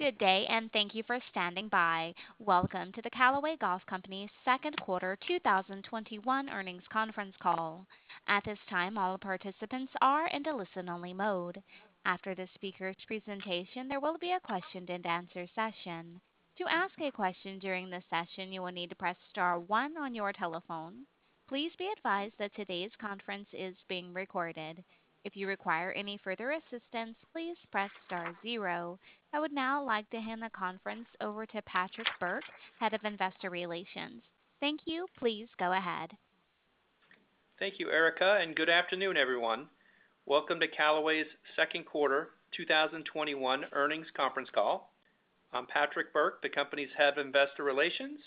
Good day. Thank you for standing by. Welcome to the Callaway Golf Company's Second Quarter 2021 Earnings Conference Call. At this time, all participants are in the listen only mode. After the speaker's presentation, there will be a question and answer session. To ask a question during the session, you will need to press star 1 on your telephone. Please be advised that today's conference is being recorded. If you require any further assistance, please press star zero. I would now like to hand the conference over to Patrick Burke, Head of Investor Relations. Thank you. Please go ahead. Thank you, Erica, and good afternoon, everyone. Welcome to Callaway's Second Quarter 2021 Earnings Conference call. I'm Patrick Burke, the company's Head of Investor Relations.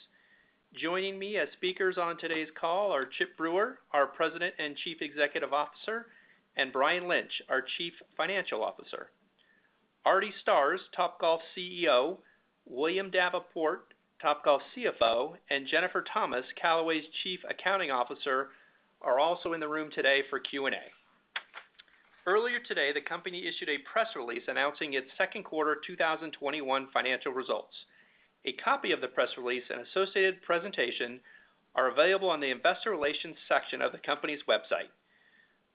Joining me as speakers on today's call are Chip Brewer, our President and Chief Executive Officer, and Brian Lynch, our Chief Financial Officer. Artie Starrs, Topgolf CEO, William Davenport, Topgolf CFO, and Jennifer Thomas, Callaway's Chief Accounting Officer, are also in the room today for Q&A. Earlier today, the company issued a press release announcing its second quarter 2021 financial results. A copy of the press release and associated presentation are available on the investor relations section of the company's website.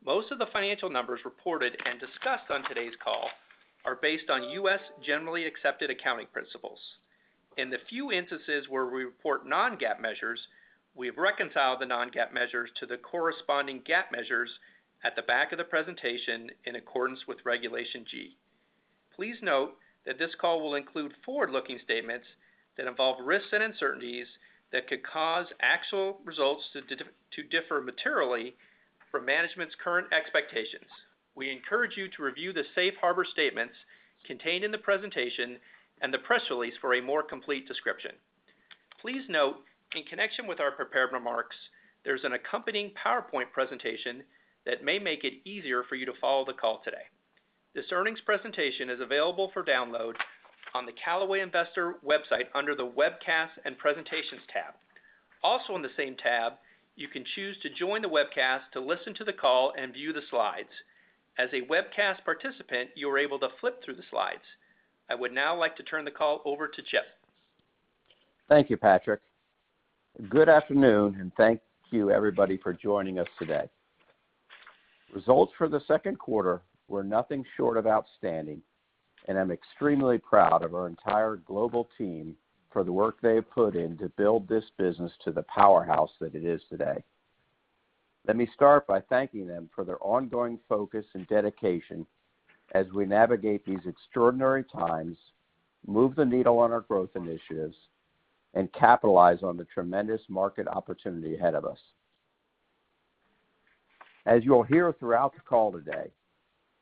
Most of the financial numbers reported and discussed on today's call are based on U.S. generally accepted accounting principles. In the few instances where we report non-GAAP measures, we have reconciled the non-GAAP measures to the corresponding GAAP measures at the back of the presentation in accordance with Regulation G. Please note that this call will include forward-looking statements that involve risks and uncertainties that could cause actual results to differ materially from management's current expectations. We encourage you to review the safe harbor statements contained in the presentation and the press release for a more complete description. Please note, in connection with our prepared remarks, there's an accompanying PowerPoint presentation that may make it easier for you to follow the call today. This earnings presentation is available for download on the Callaway Investor website under the Webcasts and Presentations tab. Also on the same tab, you can choose to join the webcast to listen to the call and view the slides. As a webcast participant, you are able to flip through the slides. I would now like to turn the call over to Chip. Thank you, Patrick. Good afternoon, and thank you everybody for joining us today. Results for the second quarter were nothing short of outstanding, and I'm extremely proud of our entire global team for the work they have put in to build this business to the powerhouse that it is today. Let me start by thanking them for their ongoing focus and dedication as we navigate these extraordinary times, move the needle on our growth initiatives, and capitalize on the tremendous market opportunity ahead of us. As you'll hear throughout the call today,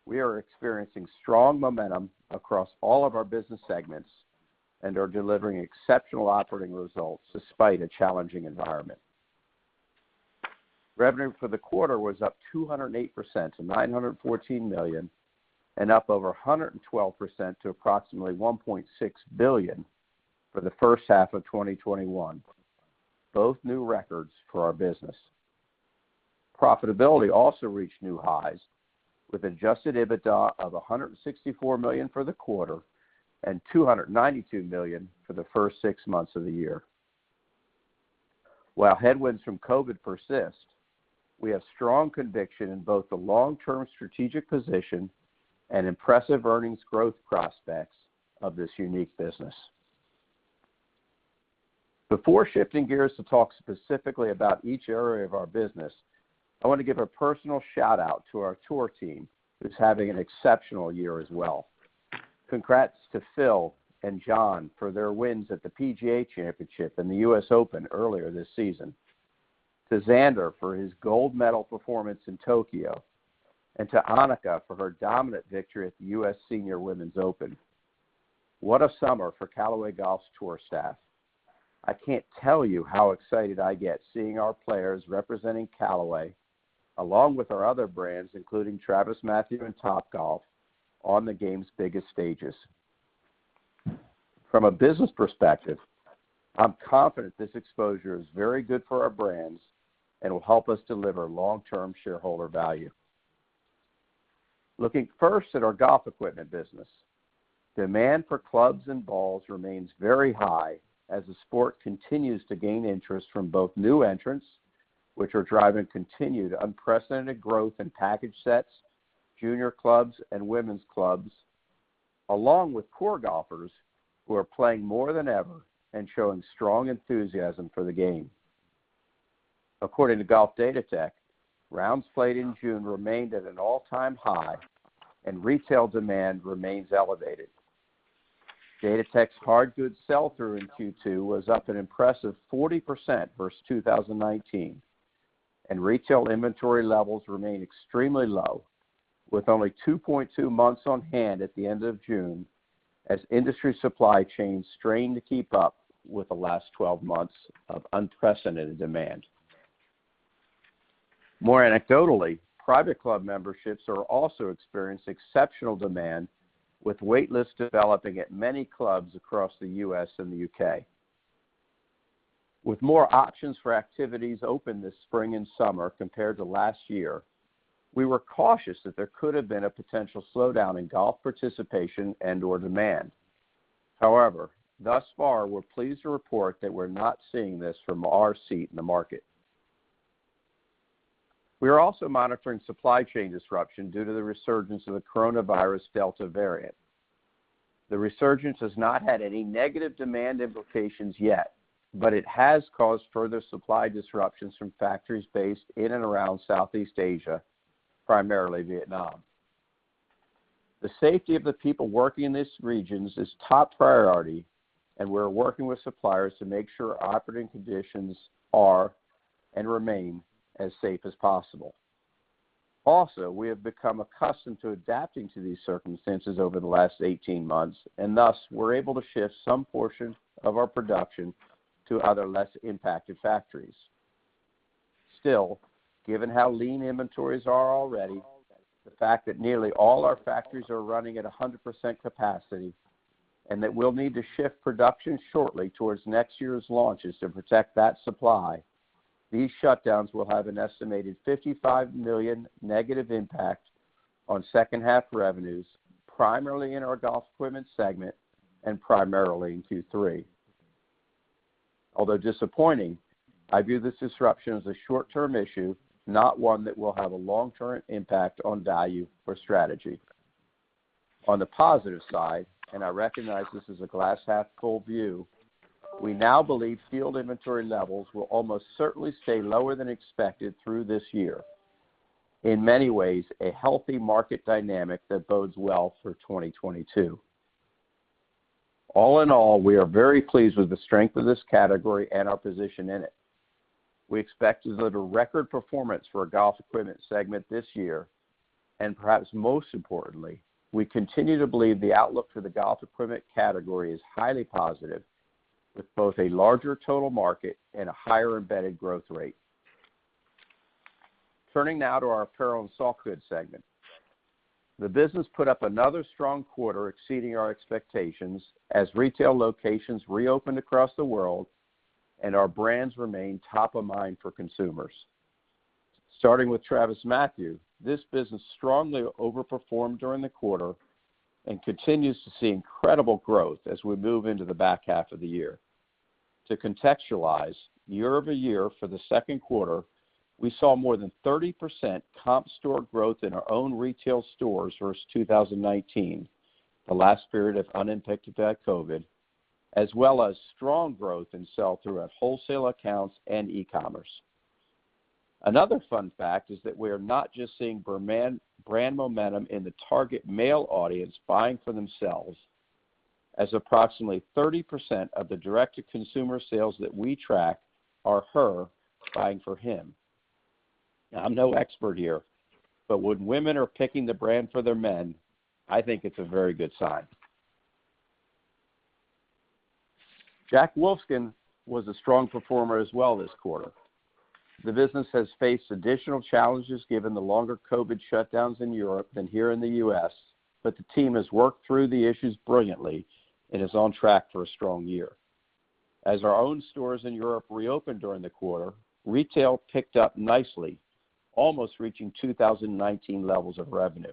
we are experiencing strong momentum across all of our business segments and are delivering exceptional operating results despite a challenging environment. Revenue for the quarter was up 208% to $914 million and up over 112% to approximately $1.6 billion for the first half of 2021, both new records for our business. Profitability also reached new highs with adjusted EBITDA of $164 million for the quarter and $292 million for the first 6 months of the year. While headwinds from COVID persist, we have strong conviction in both the long-term strategic position and impressive earnings growth prospects of this unique business. Before shifting gears to talk specifically about each area of our business, I want to give a personal shout-out to our tour team, who's having an exceptional year as well. Congrats to Phil and Jon for their wins at the PGA Championship and the U.S. Open earlier this season, to Xander for his gold medal performance in Tokyo, and to Annika for her dominant victory at the U.S. Senior Women's Open. What a summer for Callaway Golf's tour staff. I can't tell you how excited I get seeing our players representing Callaway, along with our other brands, including TravisMathew and Topgolf, on the game's biggest stages. From a business perspective, I'm confident this exposure is very good for our brands and will help us deliver long-term shareholder value. Looking first at our golf equipment business, demand for clubs and balls remains very high as the sport continues to gain interest from both new entrants, which are driving continued unprecedented growth in package sets, junior clubs, and women's clubs, along with core golfers who are playing more than ever and showing strong enthusiasm for the game. According to Golf Datatech, rounds played in June remained at an all-time high and retail demand remains elevated. Datatech's hard goods sell-through in Q2 was up an impressive 40% versus 2019, and retail inventory levels remain extremely low, with only 2.2 months on hand at the end of June as industry supply chains strain to keep up with the last 12 months of unprecedented demand. More anecdotally, private club memberships are also experiencing exceptional demand with wait lists developing at many clubs across the U.S. and the U.K. With more options for activities open this spring and summer compared to last year, we were cautious that there could have been a potential slowdown in golf participation and/or demand. Thus far, we're pleased to report that we're not seeing this from our seat in the market. We are also monitoring supply chain disruption due to the resurgence of the coronavirus Delta variant. The resurgence has not had any negative demand implications yet, but it has caused further supply disruptions from factories based in and around Southeast Asia, primarily Vietnam. The safety of the people working in these regions is top priority, and we're working with suppliers to make sure operating conditions are, and remain, as safe as possible. We have become accustomed to adapting to these circumstances over the last 18 months, and thus, we're able to shift some portion of our production to other less impacted factories. Given how lean inventories are already, the fact that nearly all our factories are running at 100% capacity, and that we'll need to shift production shortly towards next year's launches to protect that supply, these shutdowns will have an estimated $55 million negative impact on second half revenues, primarily in our golf equipment segment and primarily in Q3. Although disappointing, I view this disruption as a short-term issue, not one that will have a long-term impact on value or strategy. On the positive side, I recognize this is a glass half full view, we now believe field inventory levels will almost certainly stay lower than expected through this year. In many ways, a healthy market dynamic that bodes well for 2022. All in all, we are very pleased with the strength of this category and our position in it. We expect to deliver record performance for our golf equipment segment this year. Perhaps most importantly, we continue to believe the outlook for the golf equipment category is highly positive with both a larger total market and a higher embedded growth rate. Turning now to our apparel and softgoods segment. The business put up another strong quarter exceeding our expectations as retail locations reopened across the world and our brands remain top of mind for consumers. Starting with TravisMathew, this business strongly overperformed during the quarter and continues to see incredible growth as we move into the back half of the year. To contextualize, year-over-year for the second quarter, we saw more than 30% comp store growth in our own retail stores versus 2019, the last period unaffected by COVID, as well as strong growth in sell-through at wholesale accounts and e-commerce. Another fun fact is that we are not just seeing brand momentum in the target male audience buying for themselves, as approximately 30% of the direct-to-consumer sales that we track are her buying for him. I'm no expert here, when women are picking the brand for their men, I think it's a very good sign. Jack Wolfskin was a strong performer as well this quarter. The business has faced additional challenges given the longer COVID shutdowns in Europe than here in the U.S., the team has worked through the issues brilliantly and is on track for a strong year. As our own stores in Europe reopened during the quarter, retail picked up nicely, almost reaching 2019 levels of revenue.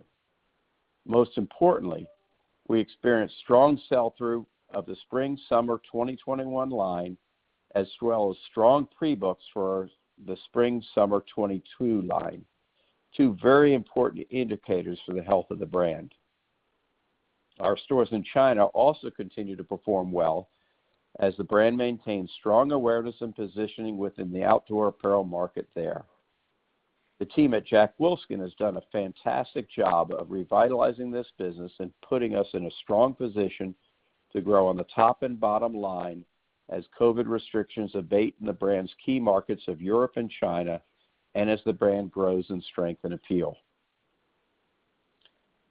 We experienced strong sell-through of the spring summer 2021 line, as well as strong pre-books for the spring summer 2022 line, two very important indicators for the health of the brand. Our stores in China also continue to perform well as the brand maintains strong awareness and positioning within the outdoor apparel market there. The team at Jack Wolfskin has done a fantastic job of revitalizing this business and putting us in a strong position to grow on the top and bottom line as COVID restrictions abate in the brand's key markets of Europe and China, and as the brand grows in strength and appeal.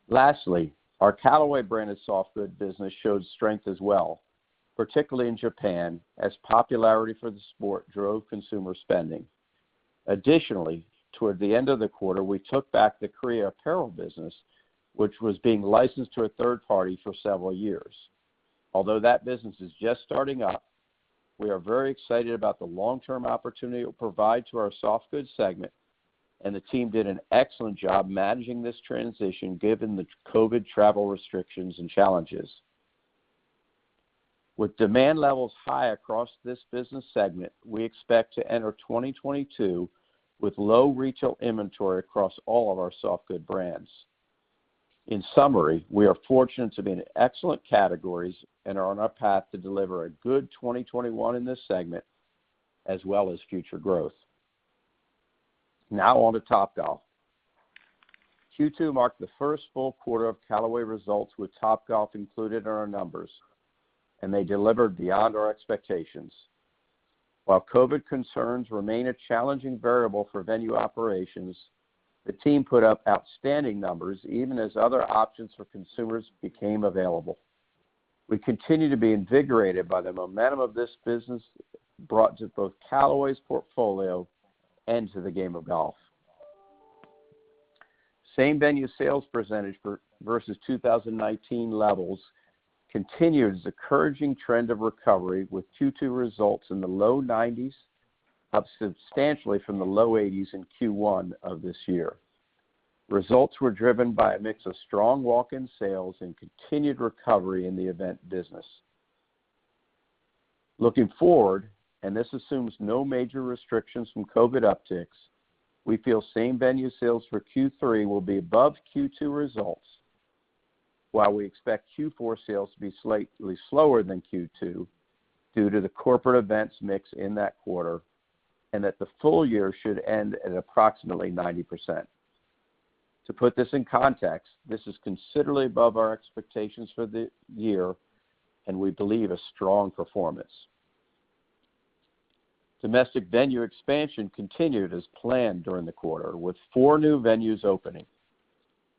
Lastly, our Callaway branded softgoods business showed strength as well, particularly in Japan, as popularity for the sport drove consumer spending. Toward the end of the quarter, we took back the Korea apparel business, which was being licensed to a third party for several years. Although that business is just starting up, we are very excited about the long-term opportunity it will provide to our softgoods segment, and the team did an excellent job managing this transition given the COVID travel restrictions and challenges. With demand levels high across this business segment, we expect to enter 2022 with low retail inventory across all of our softgood brands. In summary, we are fortunate to be in excellent categories and are on our path to deliver a good 2021 in this segment, as well as future growth. Now on to Topgolf. Q2 marked the first full quarter of Callaway results with Topgolf included in our numbers, and they delivered beyond our expectations. While COVID concerns remain a challenging variable for venue operations, the team put up outstanding numbers even as other options for consumers became available. We continue to be invigorated by the momentum of this business brought to both Callaway's portfolio and to the game of golf. Same-venue sales percentage versus 2019 levels continues the encouraging trend of recovery with Q2 results in the low 90%s, up substantially from the low 80%s in Q1 of this year. Results were driven by a mix of strong walk-in sales and continued recovery in the event business. Looking forward, and this assumes no major restrictions from COVID upticks, we feel same-venue sales for Q3 will be above Q2 results, while we expect Q4 sales to be slightly slower than Q2 due to the corporate events mix in that quarter, and that the full year should end at approximately 90%. To put this in context, this is considerably above our expectations for the year, and we believe a strong performance. Domestic venue expansion continued as planned during the quarter, with four new venues opening.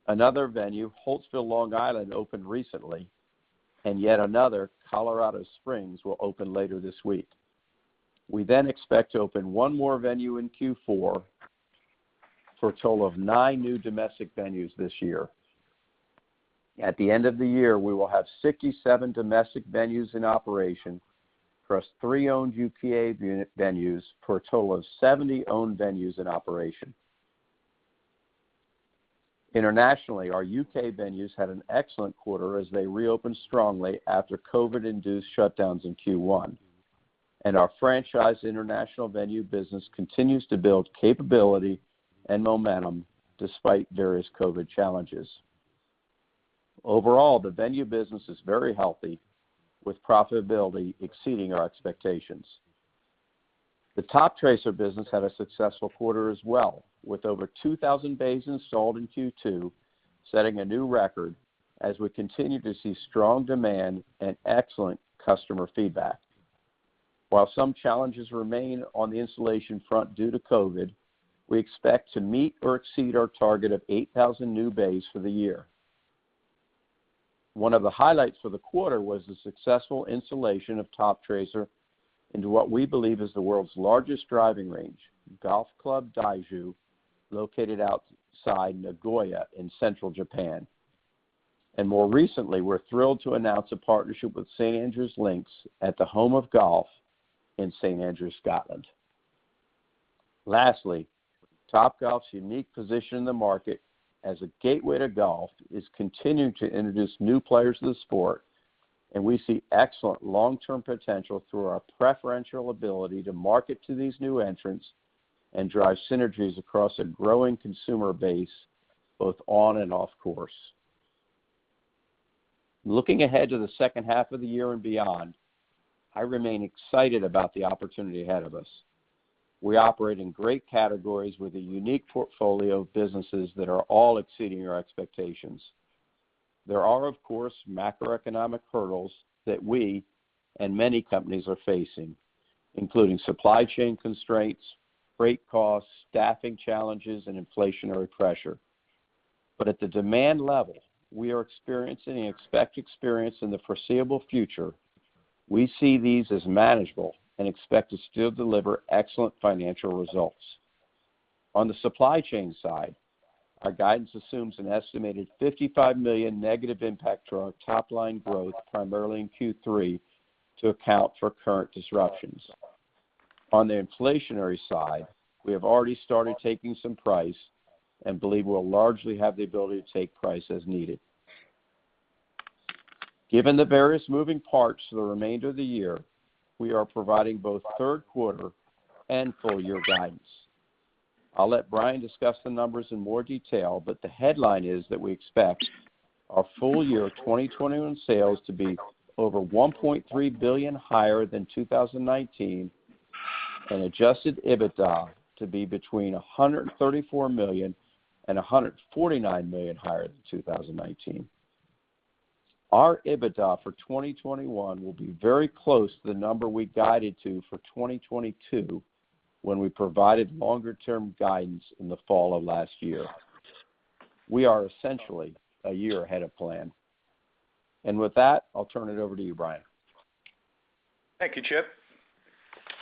Another venue, Holtsville, Long Island, opened recently, yet another, Colorado Springs, will open later this week. We expect to open one more venue in Q4 for a total of nine new domestic venues this year. At the end of the year, we will have 67 domestic venues in operation,+3 owned U.K. venues for a total of 70 owned venues in operation. Internationally, our U.K. venues had an excellent quarter as they reopened strongly after COVID-induced shutdowns in Q1. Our franchise international venue business continues to build capability and momentum despite various COVID challenges. Overall, the venue business is very healthy, with profitability exceeding our expectations. The Toptracer business had a successful quarter as well, with over 2,000 bays installed in Q2, setting a new record as we continue to see strong demand and excellent customer feedback. While some challenges remain on the installation front due to COVID, we expect to meet or exceed our target of 8,000 new bays for the year. One of the highlights for the quarter was the successful installation of Toptracer into what we believe is the world's largest driving range, Golf Club Daiju, located outside Nagoya in central Japan. More recently, we're thrilled to announce a partnership with St Andrews Links at the Home of Golf in St Andrews, Scotland. Lastly, Topgolf's unique position in the market as a gateway to golf is continuing to introduce new players to the sport, and we see excellent long-term potential through our preferential ability to market to these new entrants and drive synergies across a growing consumer base, both on and off course. Looking ahead to the second half of the year and beyond, I remain excited about the opportunity ahead of us. We operate in great categories with a unique portfolio of businesses that are all exceeding our expectations. There are, of course, macroeconomic hurdles that we and many companies are facing, including supply chain constraints, freight costs, staffing challenges, and inflationary pressure. At the demand level we are experiencing and expect to experience in the foreseeable future, we see these as manageable and expect to still deliver excellent financial results. On the supply chain side, our guidance assumes an estimated $55 million negative impact to our top-line growth primarily in Q3 to account for current disruptions. On the inflationary side, we have already started taking some price and believe we'll largely have the ability to take price as needed. Given the various moving parts for the remainder of the year, we are providing both third quarter and full year guidance. I'll let Brian discuss the numbers in more detail, but the headline is that we expect our full year 2021 sales to be over $1.3 billion higher than 2019 and adjusted EBITDA to be between $134 million and $149 million higher than 2019. Our EBITDA for 2021 will be very close to the number we guided to for 2022 when we provided longer-term guidance in the fall of last year. We are essentially a year ahead of plan. With that, I'll turn it over to you, Brian. Thank you, Chip.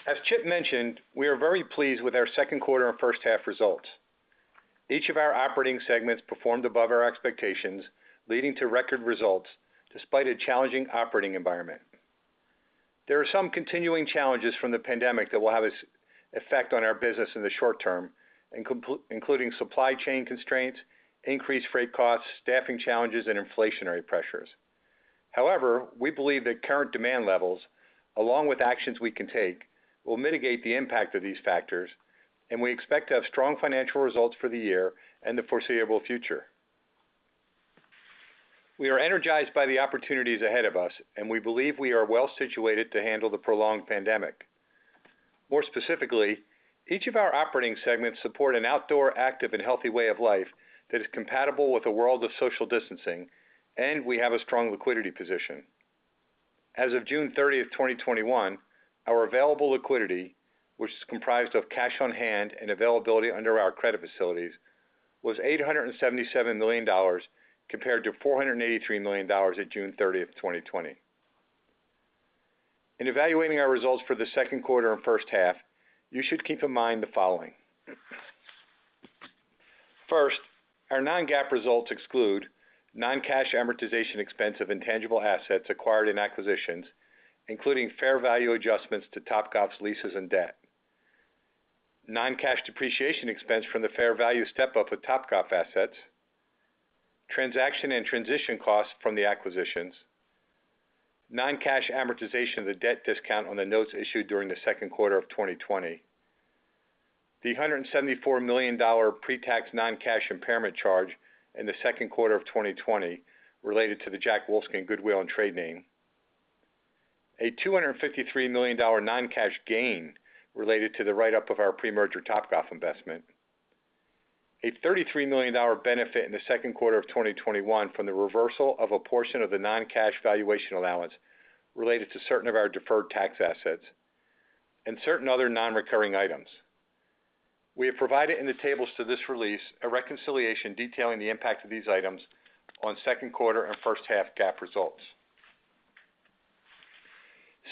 As Chip mentioned, we are very pleased with our second quarter and first half results. Each of our operating segments performed above our expectations, leading to record results despite a challenging operating environment. There are some continuing challenges from the pandemic that will have an effect on our business in the short term, including supply chain constraints, increased freight costs, staffing challenges, and inflationary pressures. However, we believe that current demand levels, along with actions we can take, will mitigate the impact of these factors, and we expect to have strong financial results for the year and the foreseeable future. We are energized by the opportunities ahead of us, and we believe we are well-situated to handle the prolonged pandemic. More specifically, each of our operating segments support an outdoor, active, and healthy way of life that is compatible with a world of social distancing, and we have a strong liquidity position. As of June 30th, 2021, our available liquidity, which is comprised of cash on hand and availability under our credit facilities, was $877 million compared to $483 million at June 30th, 2020. In evaluating our results for the second quarter and first half, you should keep in mind the following. First, our non-GAAP results exclude non-cash amortization expense of intangible assets acquired in acquisitions, including fair value adjustments to Topgolf's leases and debt, non-cash depreciation expense from the fair value step-up of Topgolf assets, transaction and transition costs from the acquisitions, non-cash amortization of the debt discount on the notes issued during the second quarter of 2020, the $174 million pre-tax non-cash impairment charge in the second quarter of 2020 related to the Jack Wolfskin goodwill and trade name, a $253 million non-cash gain related to the write-up of our pre-merger Topgolf investment, a $33 million benefit in the second quarter of 2021 from the reversal of a portion of the non-cash valuation allowance related to certain of our deferred tax assets, and certain other non-recurring items. We have provided in the tables to this release a reconciliation detailing the impact of these items on second quarter and first half GAAP results.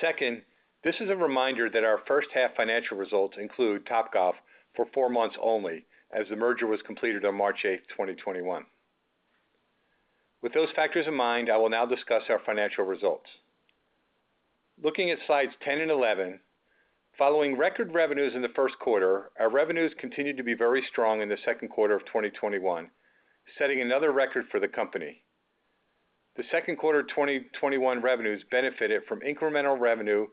Second, this is a reminder that our first half financial results include Topgolf for four months only, as the merger was completed on March 8th, 2021. With those factors in mind, I will now discuss our financial results. Looking at slides 10 and 11, following record revenues in the first quarter, our revenues continued to be very strong in the second quarter of 2021, setting another record for the company. The second quarter 2021 revenues benefited from incremental revenue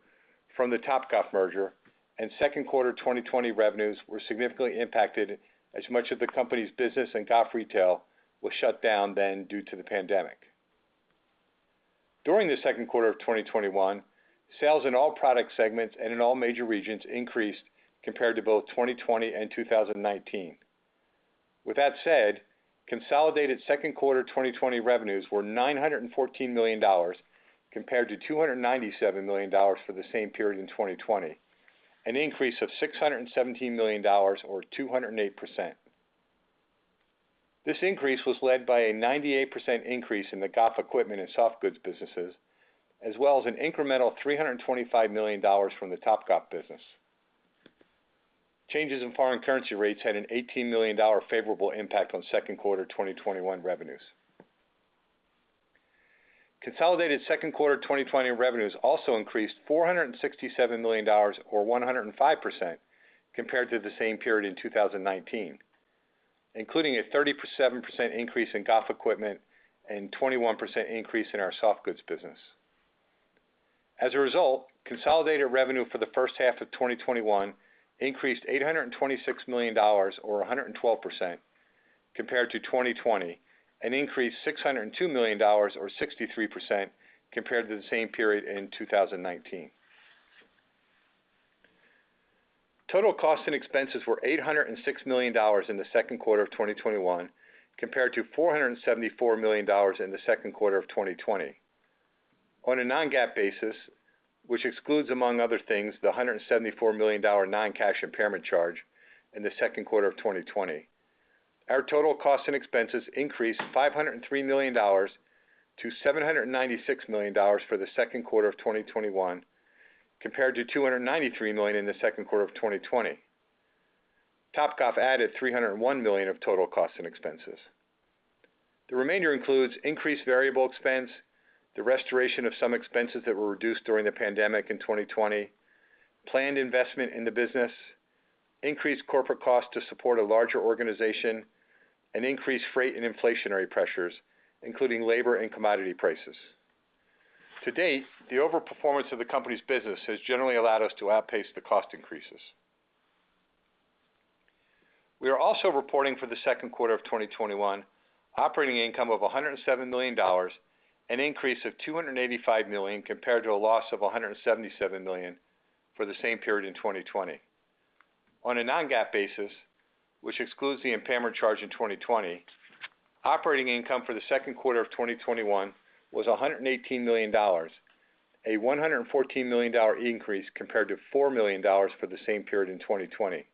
from the Topgolf merger, and second quarter 2020 revenues were significantly impacted as much of the company's business and golf retail was shut down then due to the pandemic. During the second quarter of 2021, sales in all product segments and in all major regions increased compared to both 2020 and 2019. With that said, consolidated second quarter 2020 revenues were $914 million, compared to $297 million for the same period in 2020, an increase of $617 million or 208%. This increase was led by a 98% increase in the golf equipment and soft goods businesses, as well as an incremental $325 million from the Topgolf business. Changes in foreign currency rates had an $18 million favorable impact on second quarter 2021 revenues. Consolidated second quarter 2020 revenues also increased $467 million or 105% compared to the same period in 2019, including a 37% increase in golf equipment and 21% increase in our soft goods business. As a result, consolidated revenue for the first half of 2021 increased $826 million or 112% compared to 2020, an increase $602 million or 63% compared to the same period in 2019. Total costs and expenses were $806 million in the second quarter of 2021, compared to $474 million in the second quarter of 2020. On a non-GAAP basis, which excludes, among other things, the $174 million non-cash impairment charge in the second quarter of 2020, our total costs and expenses increased $503 million-$796 million for the second quarter of 2021, compared to $293 million in the second quarter of 2020. Topgolf added $301 million of total costs and expenses. The remainder includes increased variable expense, the restoration of some expenses that were reduced during the pandemic in 2020, planned investment in the business, increased corporate costs to support a larger organization, and increased freight and inflationary pressures, including labor and commodity prices. To date, the over-performance of the company's business has generally allowed us to outpace the cost increases. We are also reporting for the second quarter of 2021 operating income of $107 million, an increase of $285 million compared to a loss of $177 million for the same period in 2020. On a non-GAAP basis, which excludes the impairment charge in 2020, operating income for the second quarter of 2021 was $118 million, a $114 million increase compared to $4 million for the same period in 2020.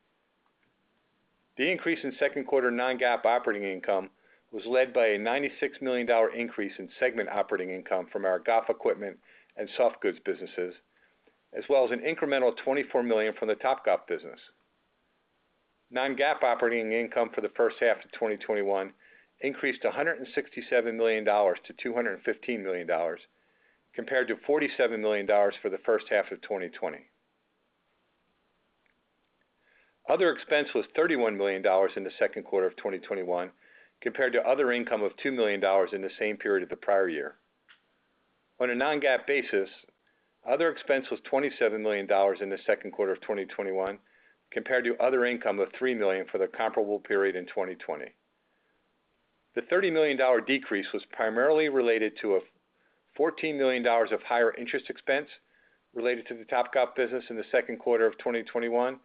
The increase in second quarter non-GAAP operating income was led by a $96 million increase in segment operating income from our golf equipment and soft goods businesses, as well as an incremental $24 million from the Topgolf business. Non-GAAP operating income for the first half of 2021 increased $167 million-$215 million, compared to $47 million for the first half of 2020. Other expense was $31 million in the second quarter of 2021, compared to other income of $2 million in the same period of the prior year. On a non-GAAP basis, other expense was $27 million in the second quarter of 2021, compared to other income of $3 million for the comparable period in 2020. The $30 million decrease was primarily related to a $14 million of higher interest expense related to the Topgolf business in the second quarter of 2021,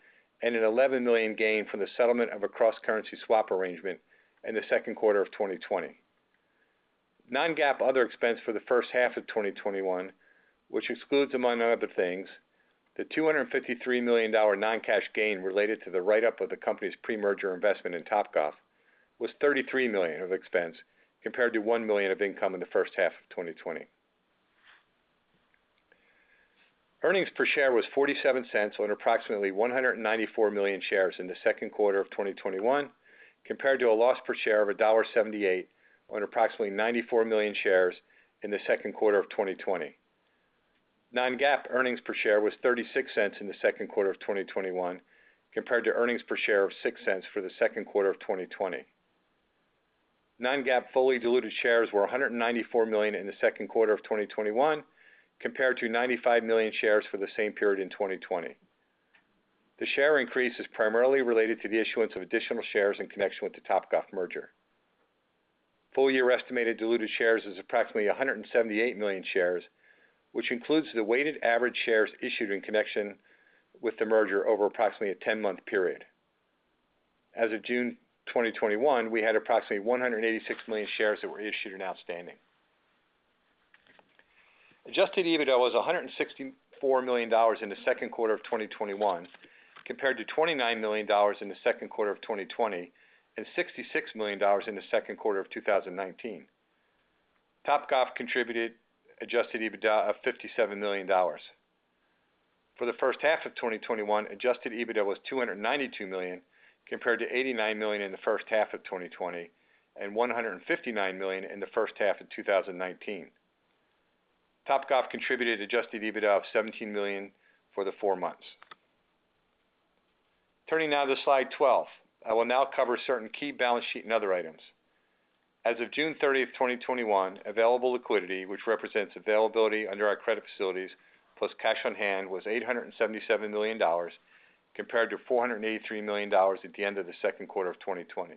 and an $11 million gain from the settlement of a cross-currency swap arrangement in the second quarter of 2020. Non-GAAP other expense for the first half of 2021, which excludes, among other things, the $253 million non-cash gain related to the write-up of the company's pre-merger investment in Topgolf was $33 million of expense, compared to $1 million of income in the first half of 2020. Earnings per share was $0.47 on approximately 194 million shares in the second quarter of 2021, compared to a loss per share of $1.78 on approximately 94 million shares in the second quarter of 2020. Non-GAAP earnings per share was $0.36 in the second quarter of 2021, compared to earnings per share of $0.06 for the second quarter of 2020. Non-GAAP fully diluted shares were 194 million in the second quarter of 2021, compared to 95 million shares for the same period in 2020. The share increase is primarily related to the issuance of additional shares in connection with the Topgolf merger. Full year estimated diluted shares is approximately 178 million shares, which includes the weighted average shares issued in connection with the merger over approximately a 10-month period. As of June 2021, we had approximately 186 million shares that were issued and outstanding. Adjusted EBITDA was $164 million in the second quarter of 2021, compared to $29 million in the second quarter of 2020, and $66 million in the second quarter of 2019. Topgolf contributed adjusted EBITDA of $57 million. For the first half of 2021, adjusted EBITDA was $292 million, compared to $89 million in the first half of 2020, and $159 million in the first half of 2019. Topgolf contributed adjusted EBITDA of $17 million for the four months. Turning now to slide 12. I will now cover certain key balance sheet and other items. As of June 30th, 2021, available liquidity, which represents availability under our credit facilities plus cash on hand, was $877 million, compared to $483 million at the end of the second quarter of 2020.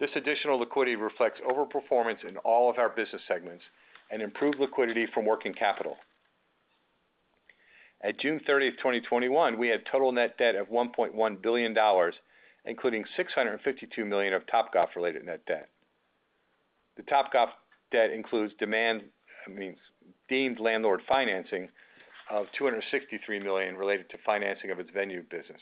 This additional liquidity reflects over-performance in all of our business segments and improved liquidity from working capital. At June 30th, 2021, we had total net debt of $1.1 billion, including $652 million of Topgolf related net debt. The Topgolf debt includes deemed landlord financing of $263 million related to financing of its venue businesses.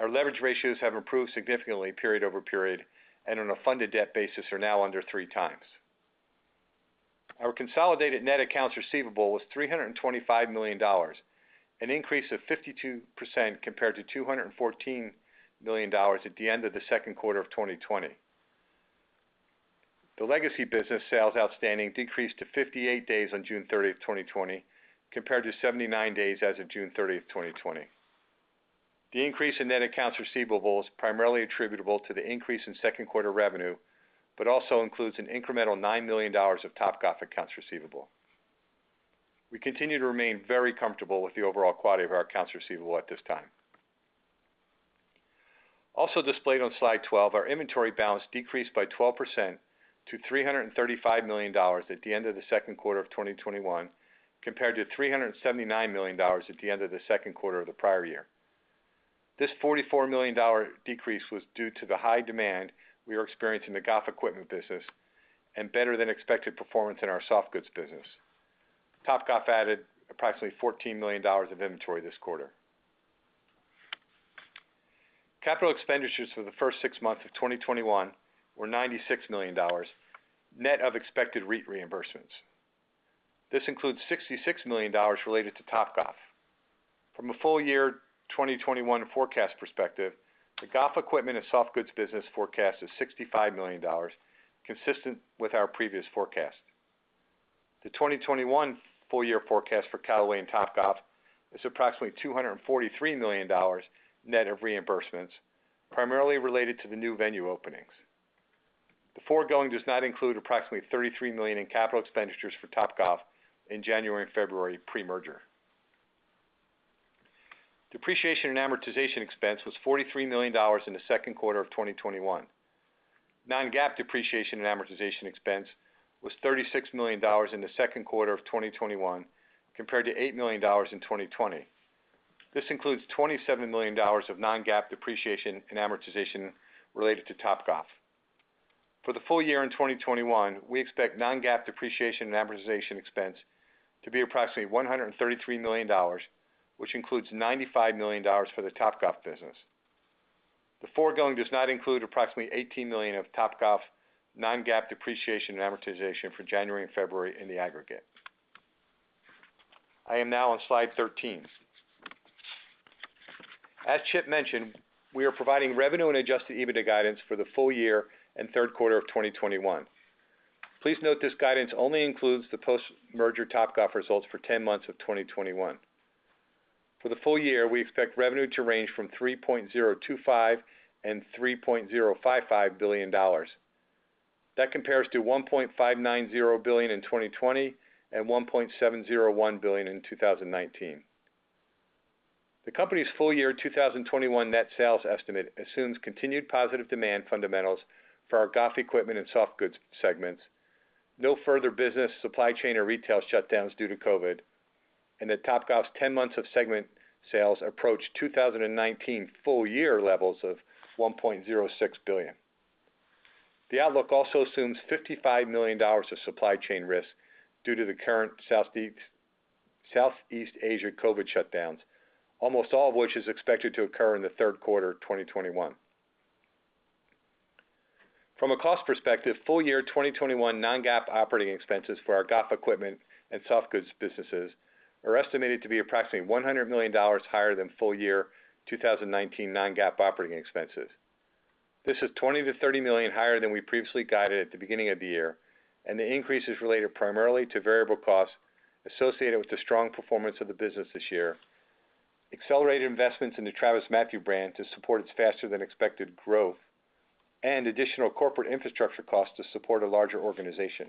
Our leverage ratios have improved significantly period-over-period and on a funded debt basis are now under 3x. Our consolidated net accounts receivable was $325 million, an increase of 52% compared to $214 million at the end of the second quarter of 2020. The legacy business sales outstanding decreased to 58 days on June 30th, 2020, compared to 79 days as of June 30th, 2020. The increase in net accounts receivable is primarily attributable to the increase in second quarter revenue, but also includes an incremental $9 million of Topgolf accounts receivable. We continue to remain very comfortable with the overall quality of our accounts receivable at this time. Also displayed on slide 12, our inventory balance decreased by 12% to $335 million at the end of the second quarter of 2021, compared to $379 million at the end of the second quarter of the prior year. This $44 million decrease was due to the high demand we are experiencing the golf equipment business and better than expected performance in our softgoods business. Topgolf added approximately $14 million of inventory this quarter. Capital expenditures for the first six months of 2021 were $96 million, net of expected REIT reimbursements. This includes $66 million related to Topgolf. From a full year 2021 forecast perspective, the golf equipment and softgoods business forecast is $65 million, consistent with our previous forecast. The 2021 full year forecast for Callaway and Topgolf is approximately $243 million net of reimbursements, primarily related to the new venue openings. The foregoing does not include approximately $33 million in capital expenditures for Topgolf in January and February pre-merger. Depreciation and amortization expense was $43 million in the second quarter of 2021. Non-GAAP depreciation and amortization expense was $36 million in the second quarter of 2021, compared to $8 million in 2020. This includes $27 million of non-GAAP depreciation and amortization related to Topgolf. For the full year 2021, we expect non-GAAP depreciation and amortization expense to be approximately $133 million, which includes $95 million for the Topgolf business. The foregoing does not include approximately $18 million of Topgolf non-GAAP depreciation and amortization for January and February in the aggregate. I am now on slide 13. As Chip mentioned, we are providing revenue and adjusted EBITDA guidance for the full year and third quarter of 2021. Please note this guidance only includes the post-merger Topgolf results for 10 months of 2021. For the full year, we expect revenue to range from $3.025 billion and $3.055 billion. That compares to $1.590 billion in 2020 and $1.701 billion in 2019. The company's full year 2021 net sales estimate assumes continued positive demand fundamentals for our golf equipment and softgoods segments, no further business supply chain or retail shutdowns due to COVID, and that Topgolf's 10 months of segment sales approach 2019 full year levels of $1.06 billion. The outlook also assumes $55 million of supply chain risk due to the current Southeast Asia COVID shutdowns, almost all of which is expected to occur in the third quarter 2021. From a cost perspective, full year 2021 non-GAAP operating expenses for our golf equipment and softgoods businesses are estimated to be approximately $100 million higher than full year 2019 non-GAAP operating expenses. This is $20 million-$30 million higher than we previously guided at the beginning of the year. The increase is related primarily to variable costs associated with the strong performance of the business this year, accelerated investments in the TravisMathew brand to support its faster than expected growth, and additional corporate infrastructure costs to support a larger organization.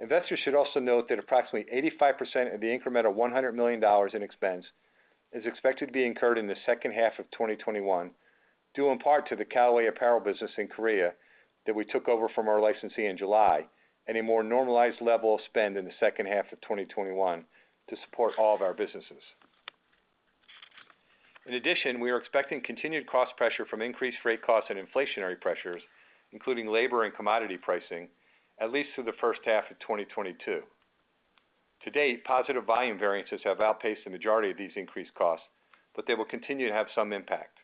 Investors should also note that approximately 85% of the incremental $100 million in expense is expected to be incurred in the second half of 2021, due in part to the Callaway Apparel business in Korea that we took over from our licensee in July. A more normalized level of spend in the second half of 2021 to support all of our businesses. We are expecting continued cost pressure from increased freight costs and inflationary pressures, including labor and commodity pricing, at least through the first half of 2022. To date, positive volume variances have outpaced the majority of these increased costs, but they will continue to have some impact.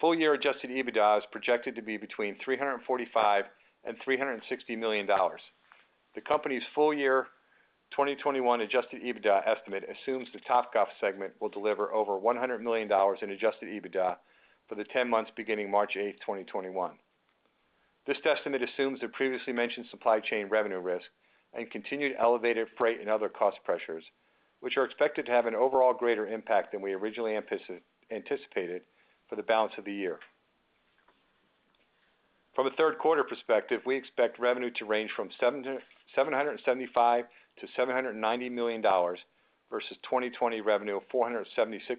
Full year adjusted EBITDA is projected to be between $345 million and $360 million. The company's full year 2021 adjusted EBITDA estimate assumes the Topgolf segment will deliver over $100 million in adjusted EBITDA for the 10 months beginning March 8, 2021. This estimate assumes the previously mentioned supply chain revenue risk and continued elevated freight and other cost pressures, which are expected to have an overall greater impact than we originally anticipated for the balance of the year. From a third quarter perspective, we expect revenue to range from $775 million to $790 million versus 2020 revenue of $476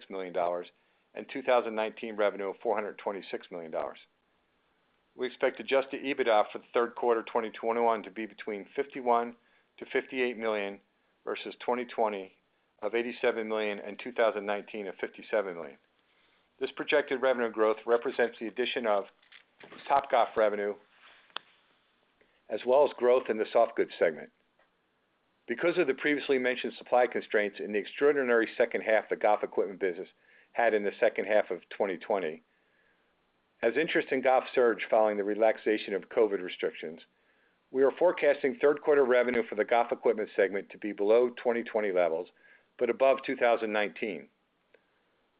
million and 2019 revenue of $426 million. We expect adjusted EBITDA for the third quarter 2021 to be between $51 million-$58 million versus 2020 of $87 million in 2019 of $57 million. This projected revenue growth represents the addition of Topgolf revenue, as well as growth in the softgoods segment. Because of the previously mentioned supply constraints and the extraordinary second half the golf equipment business had in the second half of 2020, as interest in golf surged following the relaxation of COVID restrictions, we are forecasting third quarter revenue for the golf equipment segment to be below 2020 levels, but above 2019.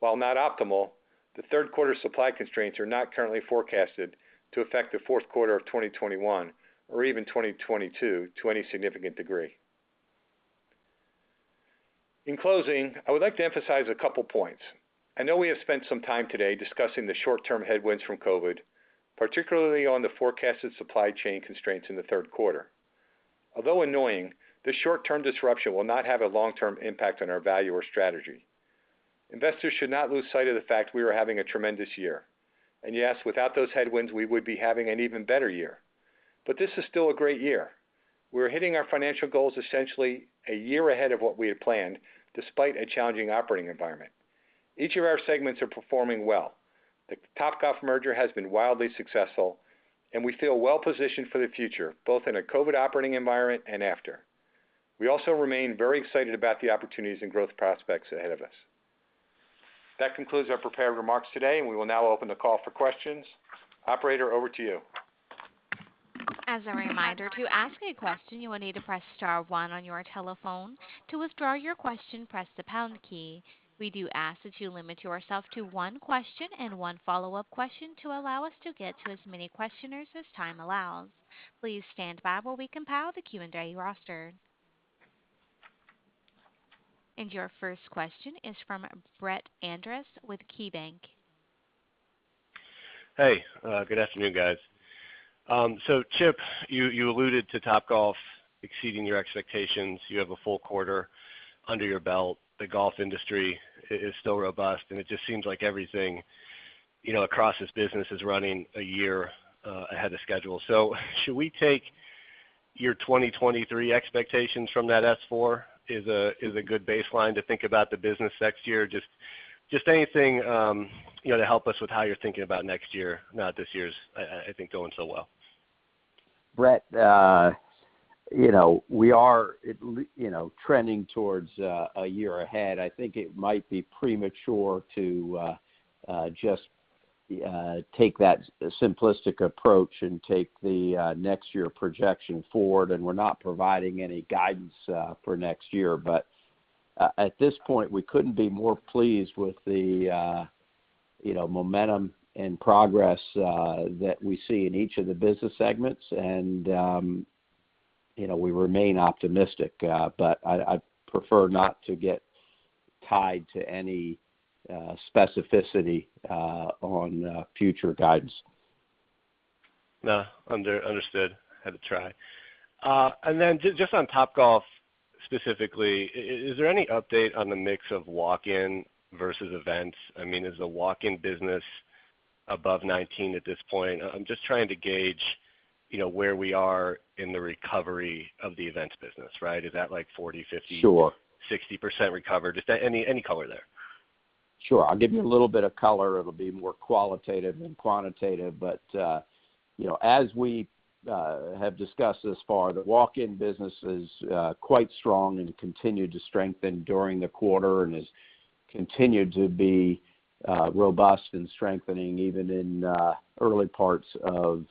While not optimal, the third quarter supply constraints are not currently forecasted to affect the fourth quarter of 2021 or even 2022 to any significant degree. In closing, I would like to emphasize a couple points. I know we have spent some time today discussing the short-term headwinds from COVID, particularly on the forecasted supply chain constraints in the third quarter. Although annoying, the short-term disruption will not have a long-term impact on our value or strategy. Investors should not lose sight of the fact we are having a tremendous year. Yes, without those headwinds, we would be having an even better year. This is still a great year. We're hitting our financial goals essentially a year ahead of what we had planned, despite a challenging operating environment. Each of our segments are performing well. The Topgolf merger has been wildly successful, and we feel well positioned for the future, both in a COVID operating environment and after. We also remain very excited about the opportunities and growth prospects ahead of us. That concludes our prepared remarks today, and we will now open the call for questions. Operator, over to you. As a reminder, to ask a question, you will need to press star one on your telephone. To withdraw your question, press the pound key. We do ask that you limit yourself to one question and one follow-up question to allow us to get to as many questioners as time allows. Please stand by while we compile the Q&A roster. Your first question is from Brett Andress with KeyBanc. Hey. Good afternoon, guys. Chip, you alluded to Topgolf exceeding your expectations. You have a full quarter under your belt. The golf industry is still robust, and it just seems like everything across this business is running a year ahead of schedule. Should we take your 2023 expectations from that S4 as a good baseline to think about the business next year? Just anything to help us with how you're thinking about next year, now this year's, I think, going so well. Brett, we are trending towards a year ahead. I think it might be premature to just take that simplistic approach and take the next year projection forward. We're not providing any guidance for next year. At this point, we couldn't be more pleased with the momentum and progress that we see in each of the business segments. We remain optimistic, but I'd prefer not to get tied to any specificity on future guidance. No, understood. Had to try. Then just on Topgolf specifically, is there any update on the mix of walk-in versus events? I mean, is the walk-in business above '19 at this point? I'm just trying to gauge. You know where we are in the recovery of the events business, right? Is that like 40%, 50%? Sure 60% recovered? Just any color there. Sure. I'll give you a little bit of color. It'll be more qualitative than quantitative. As we have discussed thus far, the walk-in business is quite strong and continued to strengthen during the quarter and has continued to be robust and strengthening even in early parts of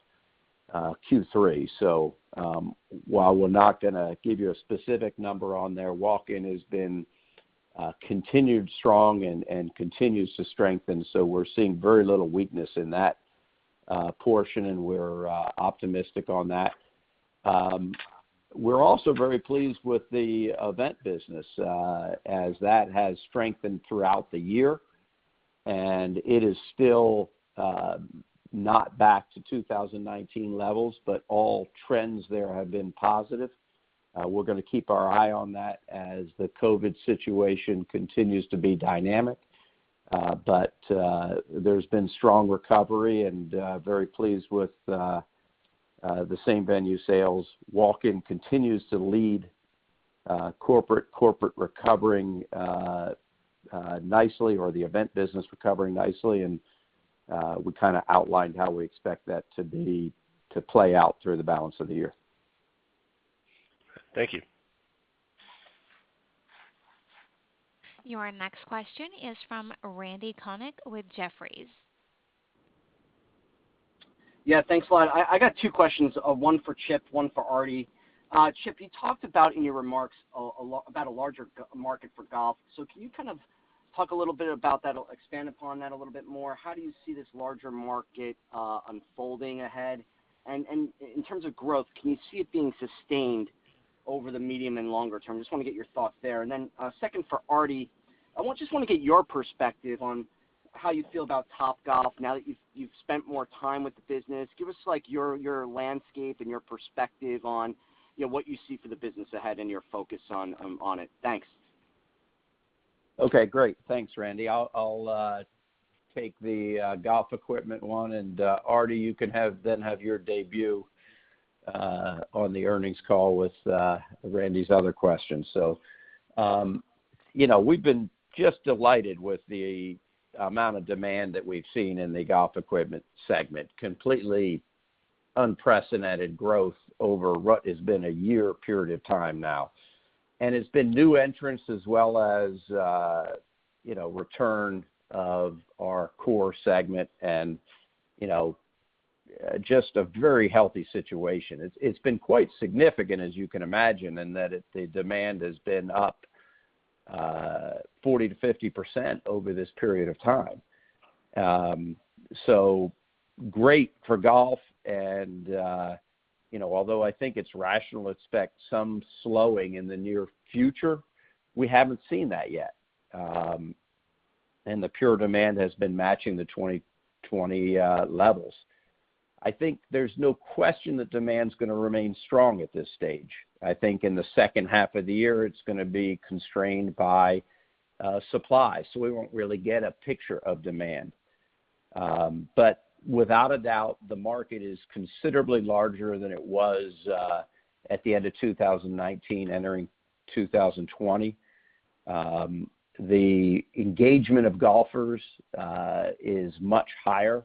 Q3. While we're not going to give you a specific number on their walk-in, has been continued strong and continues to strengthen. We're seeing very little weakness in that portion, and we're optimistic on that. We're also very pleased with the event business, as that has strengthened throughout the year, and it is still not back to 2019 levels, but all trends there have been positive. We're going to keep our eye on that as the COVID situation continues to be dynamic. There's been strong recovery and very pleased with the same-venue sales. Walk-in continues to lead corporate recovering nicely or the event business recovering nicely, and we kind of outlined how we expect that to play out through the balance of the year. Thank you. Your next question is from Randy Konik with Jefferies. Yeah, thanks a lot. I got two questions, one for Chip, one for Artie. Chip, you talked about in your remarks about a larger market for golf. Can you kind of talk a little bit about that or expand upon that a little bit more? How do you see this larger market unfolding ahead? In terms of growth, can you see it being sustained over the medium and longer term? Just want to get your thoughts there. Then, second for Artie, I just want to get your perspective on how you feel about Topgolf now that you've spent more time with the business. Give us your landscape and your perspective on what you see for the business ahead and your focus on it. Thanks. Okay, great. Thanks, Randy. I'll take the golf equipment one, and Artie, you can then have your debut on the earnings call with Randy's other questions. We've been just delighted with the amount of demand that we've seen in the golf equipment segment, completely unprecedented growth over what has been a year period of time now. It's been new entrants as well as return of our core segment and just a very healthy situation. It's been quite significant, as you can imagine, in that the demand has been up 40%-50% over this period of time. Great for golf and although I think it's rational to expect some slowing in the near future, we haven't seen that yet. The pure demand has been matching the 2020 levels. I think there's no question that demand's going to remain strong at this stage. I think in the second half of the year, it's going to be constrained by supply. We won't really get a picture of demand. Without a doubt, the market is considerably larger than it was at the end of 2019, entering 2020. The engagement of golfers is much higher.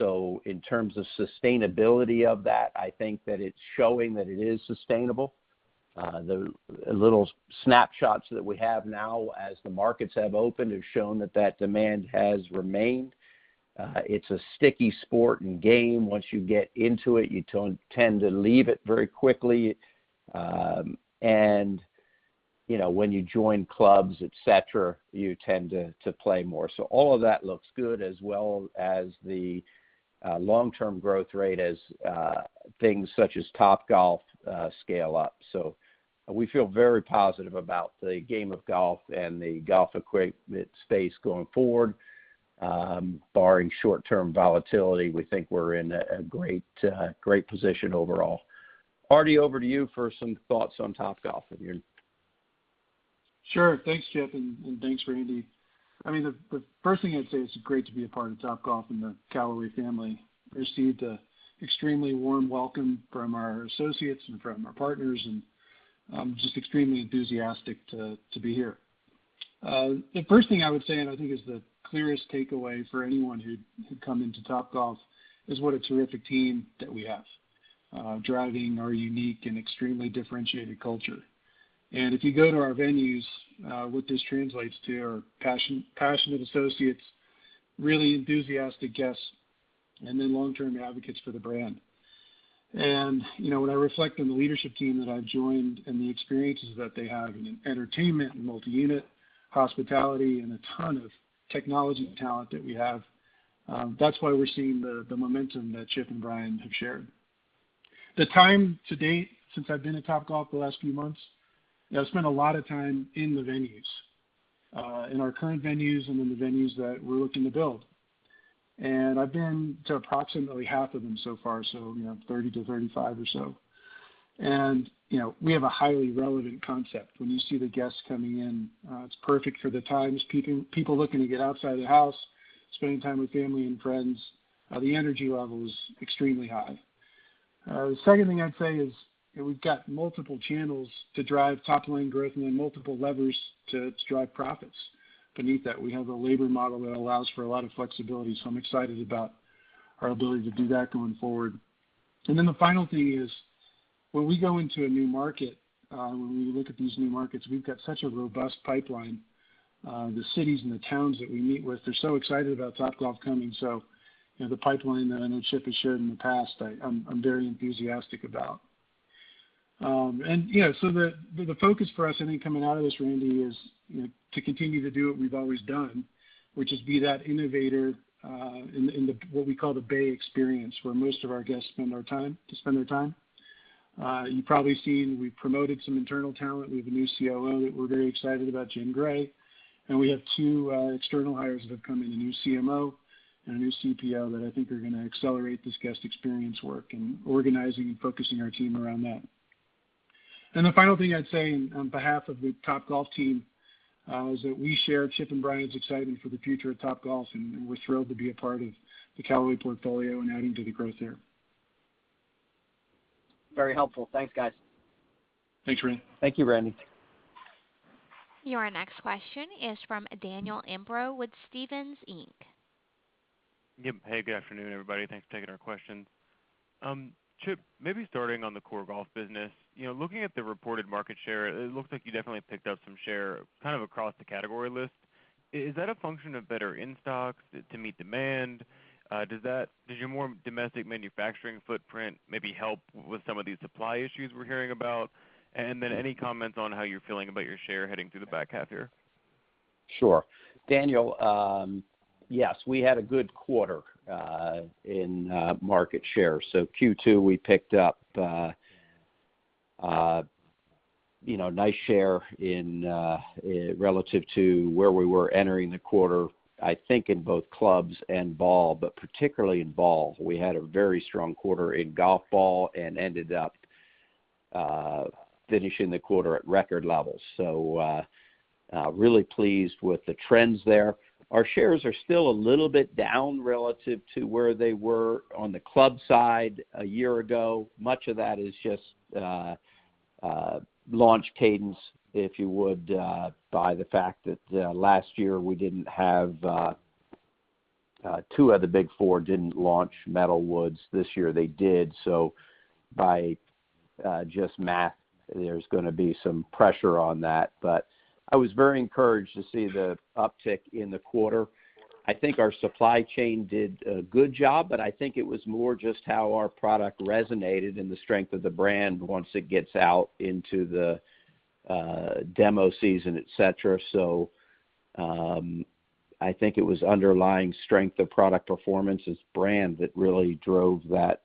In terms of sustainability of that, I think that it's showing that it is sustainable. The little snapshots that we have now as the markets have opened have shown that demand has remained. It's a sticky sport and game. Once you get into it, you don't tend to leave it very quickly. When you join clubs, et cetera, you tend to play more. All of that looks good, as well as the long-term growth rate as things such as Topgolf scale up. We feel very positive about the game of golf and the golf equipment space going forward. Barring short-term volatility, we think we're in a great position overall. Artie, over to you for some thoughts on Topgolf if you're. Sure. Thanks, Chip, and thanks, Randy. The first thing I'd say is it's great to be a part of Topgolf in the Callaway family. Received an extremely warm welcome from our associates and from our partners, and I'm just extremely enthusiastic to be here. The first thing I would say, and I think is the clearest takeaway for anyone who'd come into Topgolf, is what a terrific team that we have, driving our unique and extremely differentiated culture. If you go to our venues, what this translates to are passionate associates, really enthusiastic guests, and then long-term advocates for the brand. When I reflect on the leadership team that I've joined and the experiences that they have in entertainment and multi-unit hospitality and a ton of technology talent that we have, that's why we're seeing the momentum that Chip and Brian have shared. The time to date since I've been at Topgolf the last few months, I've spent a lot of time in the venues, in our current venues and in the venues that we're looking to build. I've been to approximately half of them so far, so 30%-35% or so. We have a highly relevant concept. When you see the guests coming in, it's perfect for the times. People looking to get outside of the house, spending time with family and friends. The energy level is extremely high. The second thing I'd say is, we've got multiple channels to drive top-line growth, multiple levers to drive profits beneath that. We have a labor model that allows for a lot of flexibility. I'm excited about our ability to do that going forward. The final thing is, when we go into a new market, when we look at these new markets, we've got such a robust pipeline. The cities and the towns that we meet with, they're so excited about Topgolf coming. The pipeline that I know Chip has shared in the past, I'm very enthusiastic about. Yeah, the focus for us, I think, coming out of this, Randy, is to continue to do what we've always done, which is be that innovator in what we call the Bay Experience, where most of our guests spend their time. You've probably seen we've promoted some internal talent. We have a new COO that we're very excited about, Gen Gray, and we have two external hires that have come in, a new CMO and a new CPO, that I think are going to accelerate this guest experience work, and organizing and focusing our team around that. The final thing I'd say on behalf of the Topgolf team is that we share Chip and Brian's excitement for the future of Topgolf, and we're thrilled to be a part of the Callaway portfolio and adding to the growth there. Very helpful. Thanks, guys. Thanks, Randy. Thank you, Randy. Your next question is from Daniel Imbro with Stephens Inc. Yeah. Hey, good afternoon, everybody. Thanks for taking our questions. Chip, maybe starting on the core golf business. Looking at the reported market share, it looks like you definitely picked up some share kind of across the category list. Is that a function of better in-stocks to meet demand? Does your more domestic manufacturing footprint maybe help with some of these supply issues we're hearing about? Any comments on how you're feeling about your share heading through the back half here? Sure. Daniel, yes, we had a good quarter in market share. Q2, we picked up a nice share relative to where we were entering the quarter, I think in both clubs and ball, but particularly in ball. We had a very strong quarter in golf ball and ended up finishing the quarter at record levels. Really pleased with the trends there. Our shares are still a little bit down relative to where they were on the club side a year ago. Much of that is just launch cadence, if you would, by the fact that last year, two of the Big Four didn't launch metal woods. This year, they did. By just math, there's going to be some pressure on that. I was very encouraged to see the uptick in the quarter. I think our supply chain did a good job, but I think it was more just how our product resonated and the strength of the brand once it gets out into the demo season, et cetera. I think it was underlying strength of product performance as brand that really drove that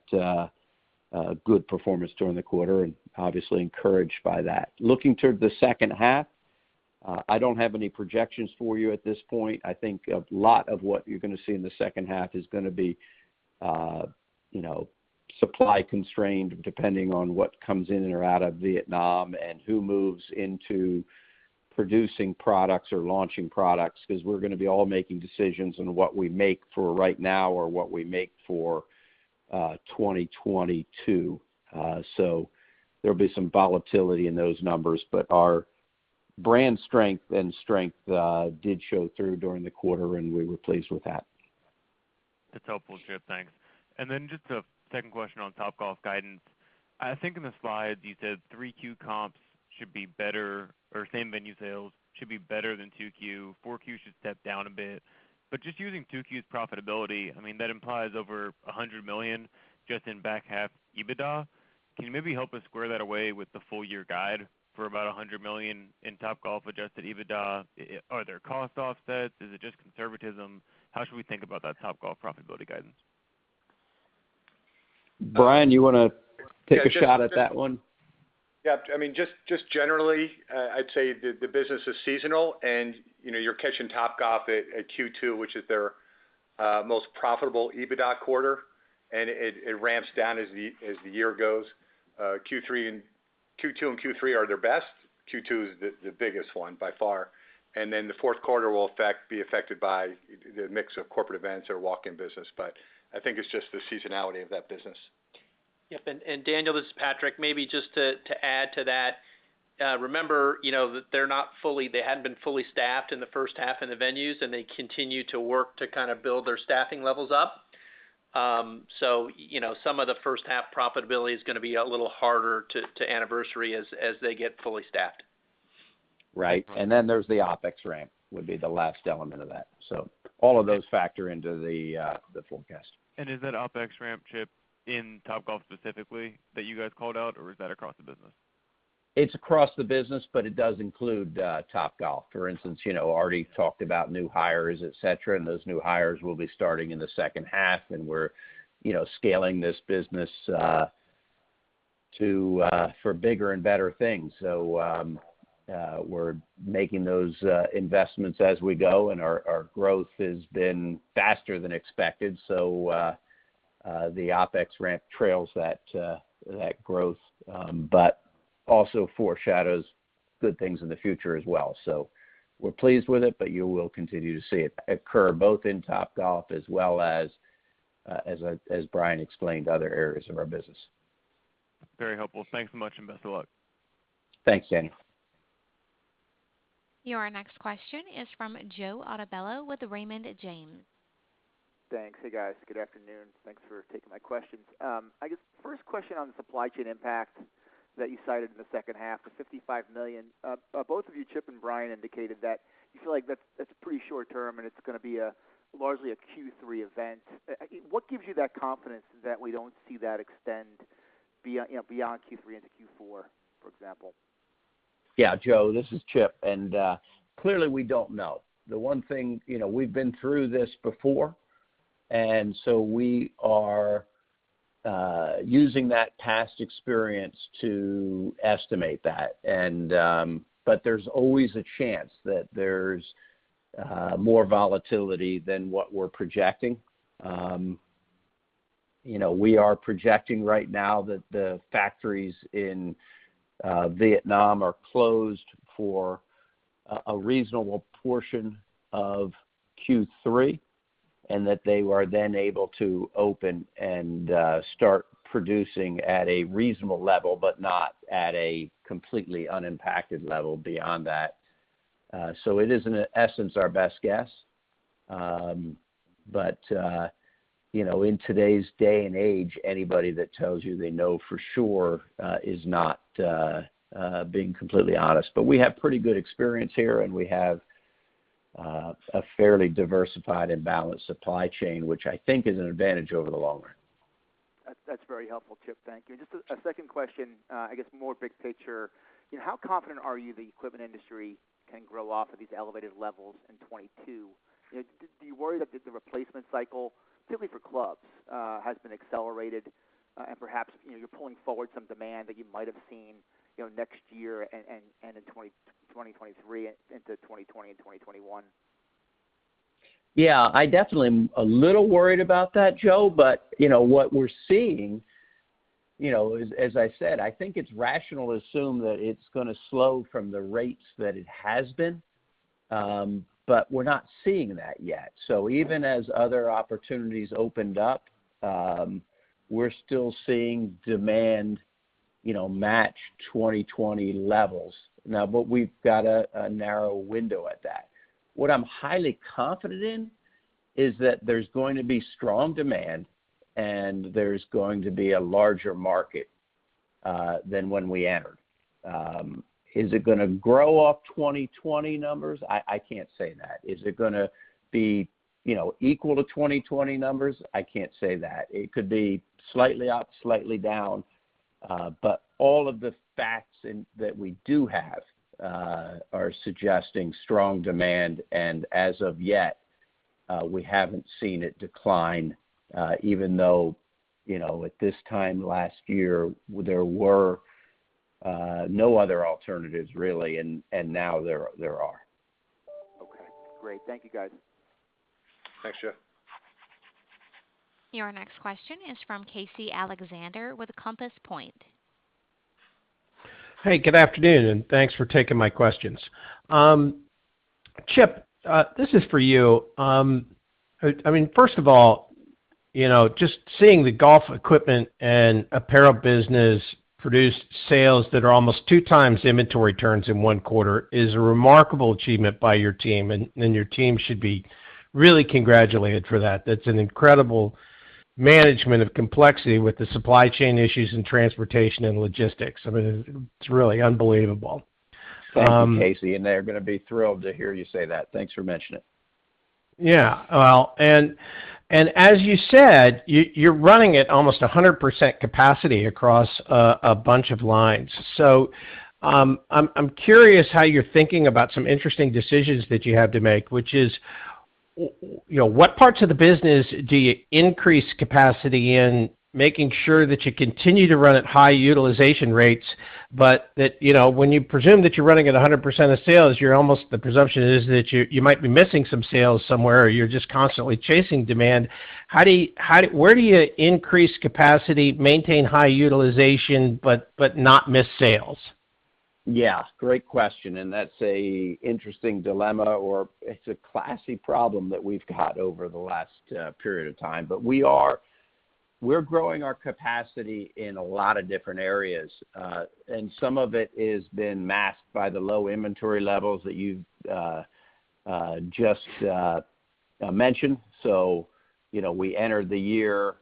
good performance during the quarter, and obviously encouraged by that. Looking to the second half, I don't have any projections for you at this point. I think a lot of what you're going to see in the second half is going to be supply constrained, depending on what comes in or out of Vietnam and who moves into producing products or launching products, because we're going to be all making decisions on what we make for right now or what we make for 2022. There'll be some volatility in those numbers, but our brand strength did show through during the quarter, and we were pleased with that. That's helpful, Chip, thanks. Just a second question on Topgolf guidance. I think in the slides you said 3Q comps should be better, or same-venue sales should be better than 2Q. 4Q should step down a bit. Just using 2Q's profitability, I mean, that implies over $100 million just in back half EBITDA. Can you maybe help us square that away with the full year guide for about $100 million in Topgolf adjusted EBITDA? Are there cost offsets? Is it just conservatism? How should we think about that Topgolf profitability guidance? Brian, you want to take a shot at that one? I mean, just generally, I'd say the business is seasonal. You're catching Topgolf at Q2, which is their most profitable EBITDA quarter. It ramps down as the year goes. Q2 and Q3 are their best. Q2 is the biggest one by far. The fourth quarter will be affected by the mix of corporate events or walk-in business. I think it's just the seasonality of that business. Yep, Daniel, this is Patrick. Maybe just to add to that, remember they hadn't been fully staffed in the first half in the venues, and they continue to work to kind of build their staffing levels up. Some of the first half profitability is going to be a little harder to anniversary as they get fully staffed. Right. There's the OpEx ramp, would be the last element of that. All of those factor into the forecast. Is that OpEx ramp, Chip, in Topgolf specifically that you guys called out or is that across the business? It's across the business, but it does include Topgolf. For instance, Artie talked about new hires, et cetera, and those new hires will be starting in the second half, and we're scaling this business for bigger and better things. We're making those investments as we go, and our growth has been faster than expected. The OpEx ramp trails that growth, but also foreshadows good things in the future as well. We're pleased with it, but you will continue to see it occur both in Topgolf as well as, Brian explained, other areas of our business. Very helpful. Thanks so much, and best of luck. Thanks, Danny. Your next question is from Joe Altobello with Raymond James. Thanks. Hey, guys. Good afternoon. Thanks for taking my questions. I guess first question on the supply chain impact that you cited in the second half, the $55 million. Both of you, Chip and Brian, indicated that you feel like that's pretty short term, and it's going to be largely a Q3 event. What gives you that confidence that we don't see that extend beyond Q3 into Q4, for example? Joe, this is Chip, and clearly we don't know. The one thing, we've been through this before, and so we are using that past experience to estimate that. There's always a chance that there's more volatility than what we're projecting. We are projecting right now that the factories in Vietnam are closed for a reasonable portion of Q3, and that they are then able to open and start producing at a reasonable level, but not at a completely unimpacted level beyond that. It is, in essence, our best guess. In today's day and age, anybody that tells you they know for sure is not being completely honest. We have pretty good experience here, and we have a fairly diversified and balanced supply chain, which I think is an advantage over the long run. That's very helpful, Chip. Thank you. Just a second question, I guess more big picture. How confident are you the equipment industry can grow off of these elevated levels in 2022? Do you worry that the replacement cycle, particularly for clubs, has been accelerated and perhaps you're pulling forward some demand that you might have seen next year and into 2023 into 2020 and 2021? I definitely am a little worried about that, Joe. What we're seeing, as I said, I think it's rational to assume that it's going to slow from the rates that it has been, but we're not seeing that yet. Even as other opportunities opened up, we're still seeing demand match 2020 levels now. We've got a narrow window at that. What I'm highly confident in is that there's going to be strong demand and there's going to be a larger market than when we entered. Is it going to grow off 2020 numbers? I can't say that. Is it going to be equal to 2020 numbers? I can't say that. It could be slightly up, slightly down. All of the facts that we do have are suggesting strong demand, and as of yet, we haven't seen it decline, even though at this time last year, there were no other alternatives, really, and now there are. Okay, great. Thank you, guys. Thanks, Joe. Your next question is from Casey Alexander with Compass Point. Hey, good afternoon. Thanks for taking my questions. Chip, this is for you. First of all, just seeing the golf equipment and apparel business produce sales that are almost 2x inventory turns in one quarter is a remarkable achievement by your team, and your team should be really congratulated for that. That's an incredible management of complexity with the supply chain issues in transportation and logistics. It's really unbelievable. Thank you, Casey, and they're going to be thrilled to hear you say that. Thanks for mentioning it. Well, as you said, you're running at almost 100% capacity across a bunch of lines. I'm curious how you're thinking about some interesting decisions that you have to make, which is, what parts of the business do you increase capacity in, making sure that you continue to run at high utilization rates, but that when you presume that you're running at 100% of sales, the presumption is that you might be missing some sales somewhere or you're just constantly chasing demand. Where do you increase capacity, maintain high utilization, but not miss sales? Yeah, great question, that's an interesting dilemma, it's a classy problem that we've got over the last period of time. We're growing our capacity in a lot of different areas. Some of it has been masked by the low inventory levels that you've just mentioned. We entered the year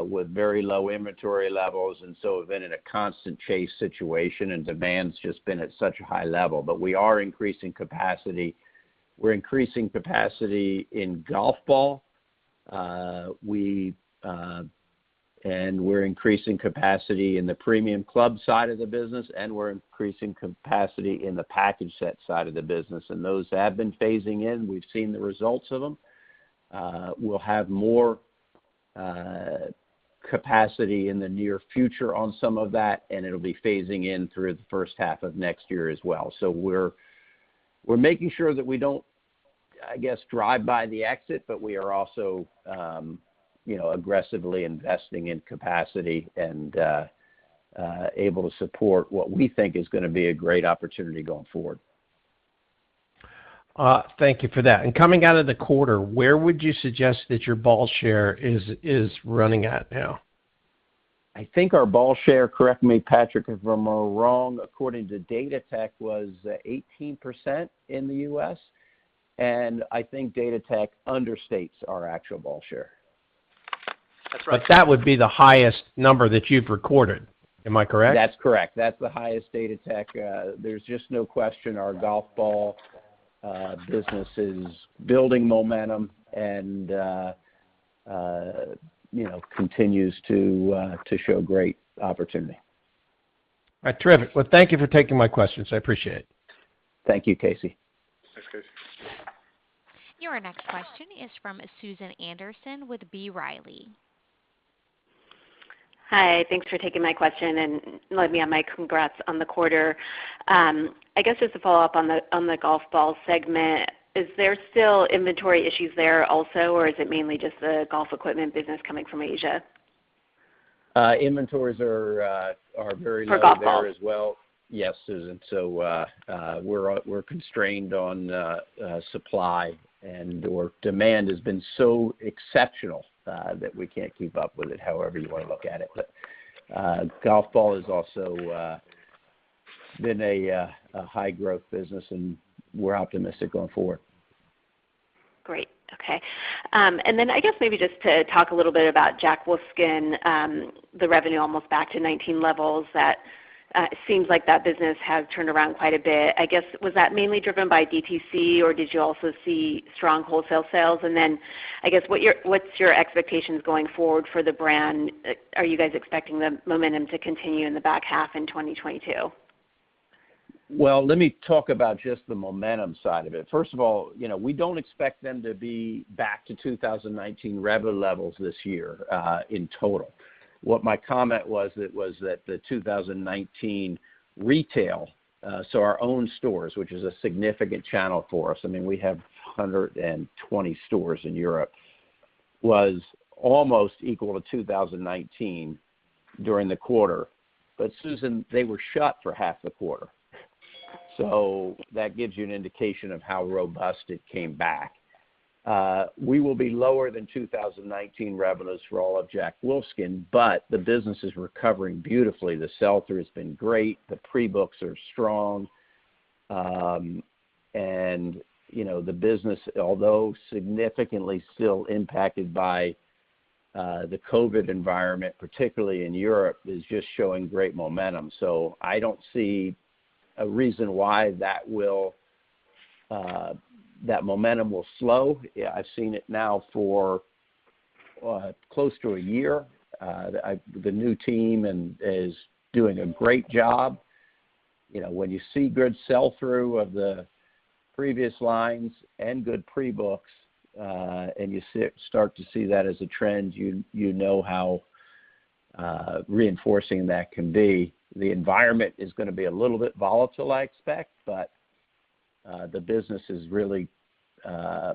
with very low inventory levels, we've been in a constant chase situation, demand's just been at such a high level. We are increasing capacity. We're increasing capacity in golf ball, we're increasing capacity in the premium club side of the business, we're increasing capacity in the package set side of the business, those have been phasing in. We've seen the results of them. We'll have more capacity in the near future on some of that, it'll be phasing in through the first half of next year as well. We're making sure that we don't, I guess, drive by the exit, but we are also aggressively investing in capacity and able to support what we think is going to be a great opportunity going forward. Thank you for that. Coming out of the quarter, where would you suggest that your ball share is running at now? I think our ball share, correct me, Patrick, if I'm wrong, according to Golf Datatech, was 18% in the U.S. I think Golf Datatech understates our actual ball share. That would be the highest number that you've recorded. Am I correct? That's correct. That's the highest Datatech. There's just no question our golf ball business is building momentum and continues to show great opportunity. All right, terrific. Well, thank you for taking my questions. I appreciate it. Thank you, Casey. Thanks, Casey. Your next question is from Susan Anderson with B. Riley. Hi. Thanks for taking my question, and let me add my congrats on the quarter. I guess as a follow-up on the golf ball segment, is there still inventory issues there also, or is it mainly just the golf equipment business coming from Asia? Inventories are very low. For golf balls there as well. Yes, Susan. We're constrained on supply, and our demand has been so exceptional that we can't keep up with it however you want to look at it. Golf ball has also been a high growth business, and we're optimistic going forward. Great. Okay. I guess maybe just to talk a little bit about Jack Wolfskin, the revenue almost back to 2019 levels. That seems like that business has turned around quite a bit. I guess, was that mainly driven by DTC, or did you also see strong wholesale sales? I guess, what's your expectations going forward for the brand? Are you guys expecting the momentum to continue in the back half in 2022? Well, let me talk about just the momentum side of it. First of all, we don't expect them to be back to 2019 revenue levels this year in total. What my comment was that the 2019 retail, so our own stores, which is a significant channel for us, I mean, we have 120 stores in Europe, was almost equal to 2019 during the quarter. Susan, they were shut for half the quarter. That gives you an indication of how robust it came back. We will be lower than 2019 revenues for all of Jack Wolfskin, but the business is recovering beautifully. The sell-through has been great. The pre-books are strong. The business, although significantly still impacted by the COVID environment, particularly in Europe, is just showing great momentum. I don't see a reason why that momentum will slow. I've seen it now for close to a year. The new team is doing a great job. When you see good sell-through of the previous lines and good pre-books, and you start to see that as a trend, you know how reinforcing that can be. The environment is going to be a little bit volatile, I expect, but the business is really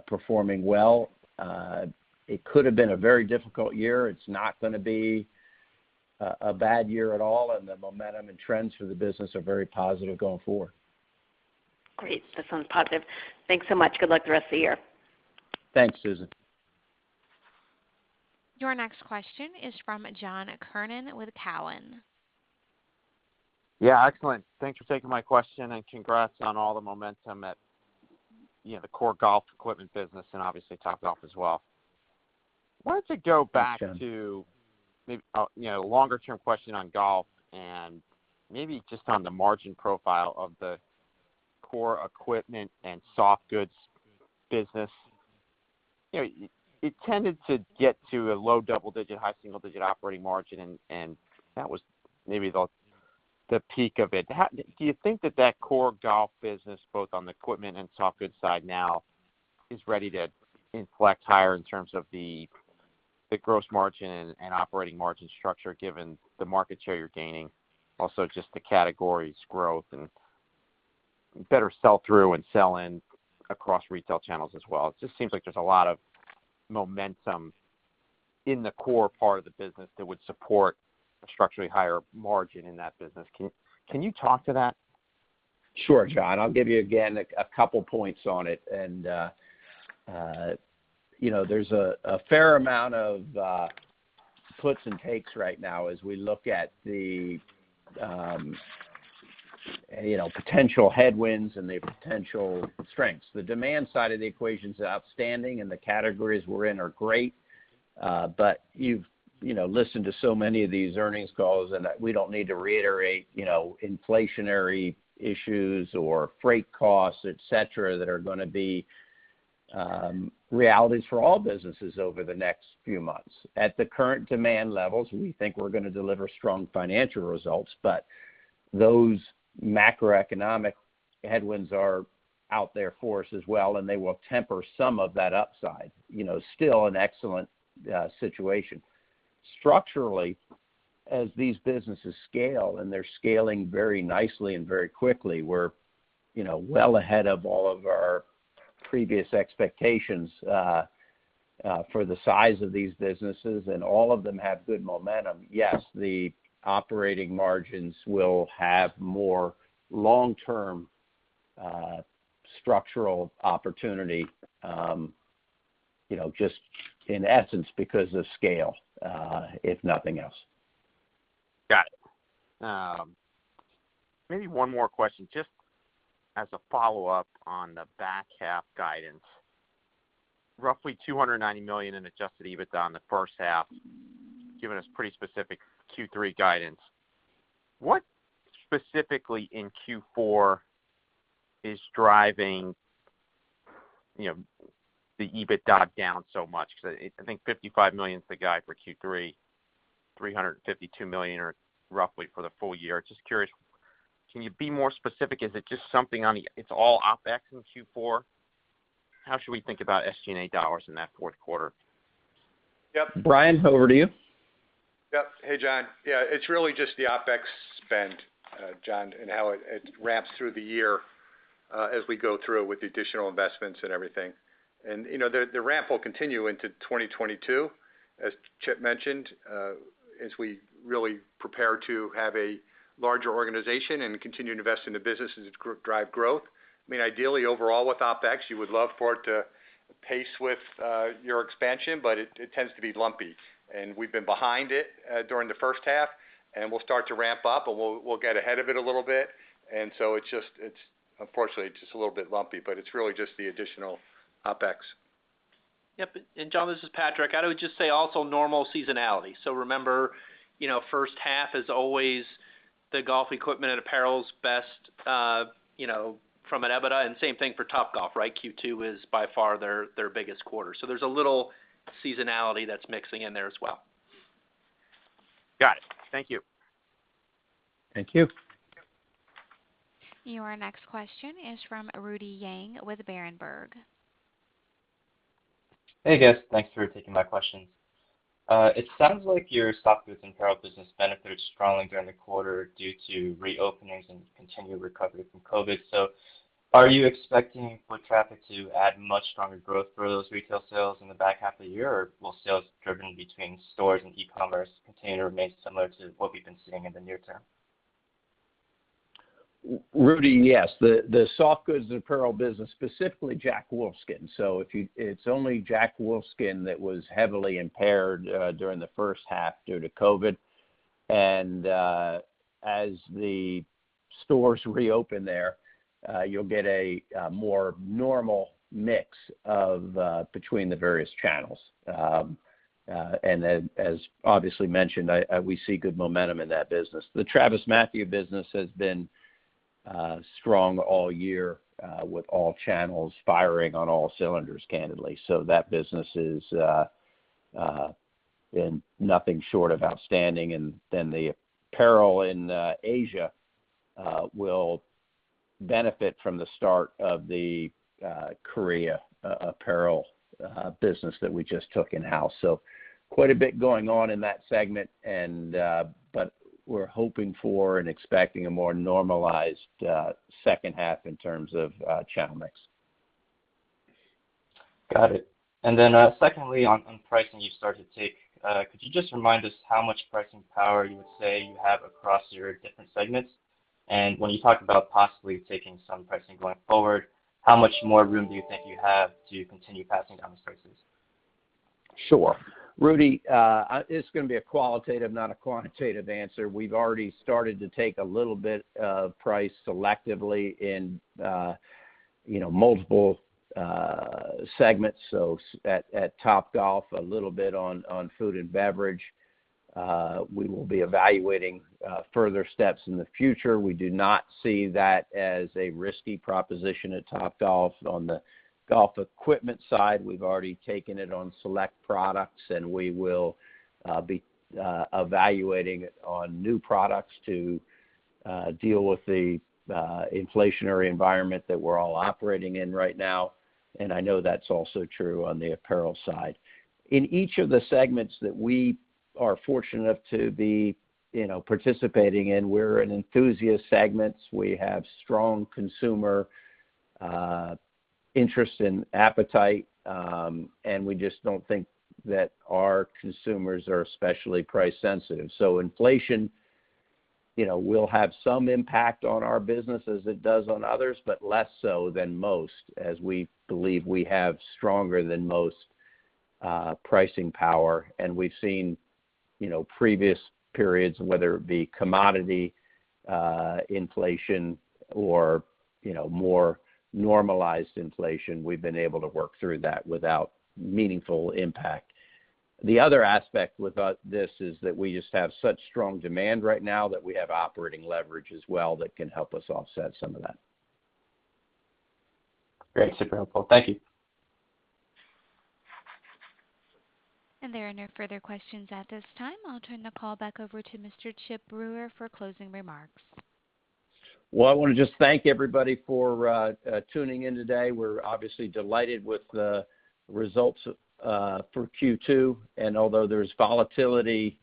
performing well. It could've been a very difficult year. It's not going to be a bad year at all, and the momentum and trends for the business are very positive going forward. Great. That sounds positive. Thanks so much. Good luck the rest of the year. Thanks, Susan. Your next question is from John Kernan with Cowen. Yeah. Excellent. Thanks for taking my question, and congrats on all the momentum at the core golf equipment business, and obviously Topgolf as well. Thanks, John. I wanted to go back to maybe a longer-term question on golf and maybe just on the margin profile of the core equipment and soft goods business. It tended to get to a low double-digit, high single-digit operating margin, and that was maybe the peak of it. Do you think that that core golf business, both on the equipment and soft goods side now, is ready to inflect higher in terms of the gross margin and operating margin structure, given the market share you're gaining? Also, just the categories growth and better sell-through and sell-in across retail channels as well. It just seems like there's a lot of momentum in the core part of the business that would support a structurally higher margin in that business. Can you talk to that? Sure, John. I'll give you, again, a couple points on it. There's a fair amount of puts and takes right now as we look at the potential headwinds and the potential strengths. The demand side of the equation's outstanding, and the categories we're in are great. You've listened to so many of these earnings calls, and we don't need to reiterate inflationary issues or freight costs, et cetera, that are going to be realities for all businesses over the next few months. At the current demand levels, we think we're going to deliver strong financial results, but those macroeconomic headwinds are out there for us as well, and they will temper some of that upside. Still an excellent situation. Structurally, as these businesses scale, and they're scaling very nicely and very quickly, we're well ahead of all of our previous expectations for the size of these businesses, and all of them have good momentum. Yes, the operating margins will have more long-term structural opportunity, just in essence because of scale, if nothing else. Got it. Maybe one more question, just as a follow-up on the back half guidance. Roughly $290 million in adjusted EBITDA on the first half, giving us pretty specific Q3 guidance. What specifically in Q4 is driving the EBITDA down so much? Because I think $55 million's the guide for Q3, $352 million or roughly for the full year. Just curious, can you be more specific? Is it just something, it's all OpEx in Q4? How should we think about SG&A dollars in that fourth quarter? Yep. Brian, over to you. Yep. Hey, John. Yeah, it's really just the OpEx spend, John, and how it ramps through the year as we go through with the additional investments and everything. The ramp will continue into 2022, as Chip mentioned, as we really prepare to have a larger organization and continue to invest in the business as it drive growth. Ideally overall with OpEx, you would love for it to pace with your expansion, but it tends to be lumpy, and we've been behind it during the first half, and we'll start to ramp up, and we'll get ahead of it a little bit. It's, unfortunately, just a little bit lumpy, but it's really just the additional OpEx. Yep. John, this is Patrick. I would just say also normal seasonality. Remember, first half is always the golf equipment and apparel's best from an EBITDA, and same thing for Topgolf, right? Q2 is by far their biggest quarter. There's a little seasonality that's mixing in there as well. Got it. Thank you. Thank you. Thank you. Your next question is from Rudy Yang with Berenberg. Hey, guys. Thanks for taking my questions. It sounds like your soft goods and apparel business benefited strongly during the quarter due to reopenings and continued recovery from COVID. Are you expecting foot traffic to add much stronger growth for those retail sales in the back half of the year? Or will sales driven between stores and e-commerce continue to remain similar to what we've been seeing in the near term? Rudy, yes. The soft goods apparel business, specifically Jack Wolfskin. It's only Jack Wolfskin that was heavily impaired during the first half due to COVID. As the stores reopen there, you'll get a more normal mix between the various channels. As obviously mentioned, we see good momentum in that business. The TravisMathew business has been strong all year, with all channels firing on all cylinders, candidly. That business has been nothing short of outstanding. The apparel in Asia will benefit from the start of the Korea apparel business that we just took in-house. Quite a bit going on in that segment, but we're hoping for and expecting a more normalized second half in terms of channel mix. Got it. Secondly, on pricing you started to take, could you just remind us how much pricing power you would say you have across your different segments? When you talk about possibly taking some pricing going forward, how much more room do you think you have to continue passing down these prices? Sure. Rudy, it's going to be a qualitative, not a quantitative answer. We've already started to take a little bit of price selectively in multiple segments, so at Topgolf, a little bit on food and beverage. We will be evaluating further steps in the future. We do not see that as a risky proposition at Topgolf. On the golf equipment side, we've already taken it on select products, and we will be evaluating it on new products to deal with the inflationary environment that we're all operating in right now, and I know that's also true on the apparel side. In each of the segments that we are fortunate enough to be participating in, we're in enthusiast segments. We have strong consumer interest and appetite, and we just don't think that our consumers are especially price sensitive. Inflation will have some impact on our business as it does on others, but less so than most, as we believe we have stronger than most pricing power. We've seen previous periods, whether it be commodity inflation or more normalized inflation, we've been able to work through that without meaningful impact. The other aspect with this is that we just have such strong demand right now that we have operating leverage as well that can help us offset some of that. Great. Super helpful. Thank you. There are no further questions at this time. I'll turn the call back over to Mr. Chip Brewer for closing remarks. I want to just thank everybody for tuning in today. We're obviously delighted with the results for Q2. Although there's volatility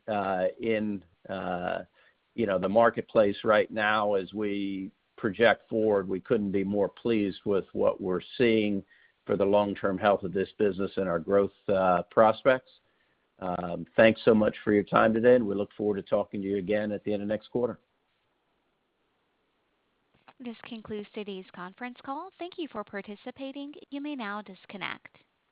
in the marketplace right now as we project forward, we couldn't be more pleased with what we're seeing for the long-term health of this business and our growth prospects. Thanks so much for your time today. We look forward to talking to you again at the end of next quarter. This concludes today's conference call. Thank you for participating. You may now disconnect.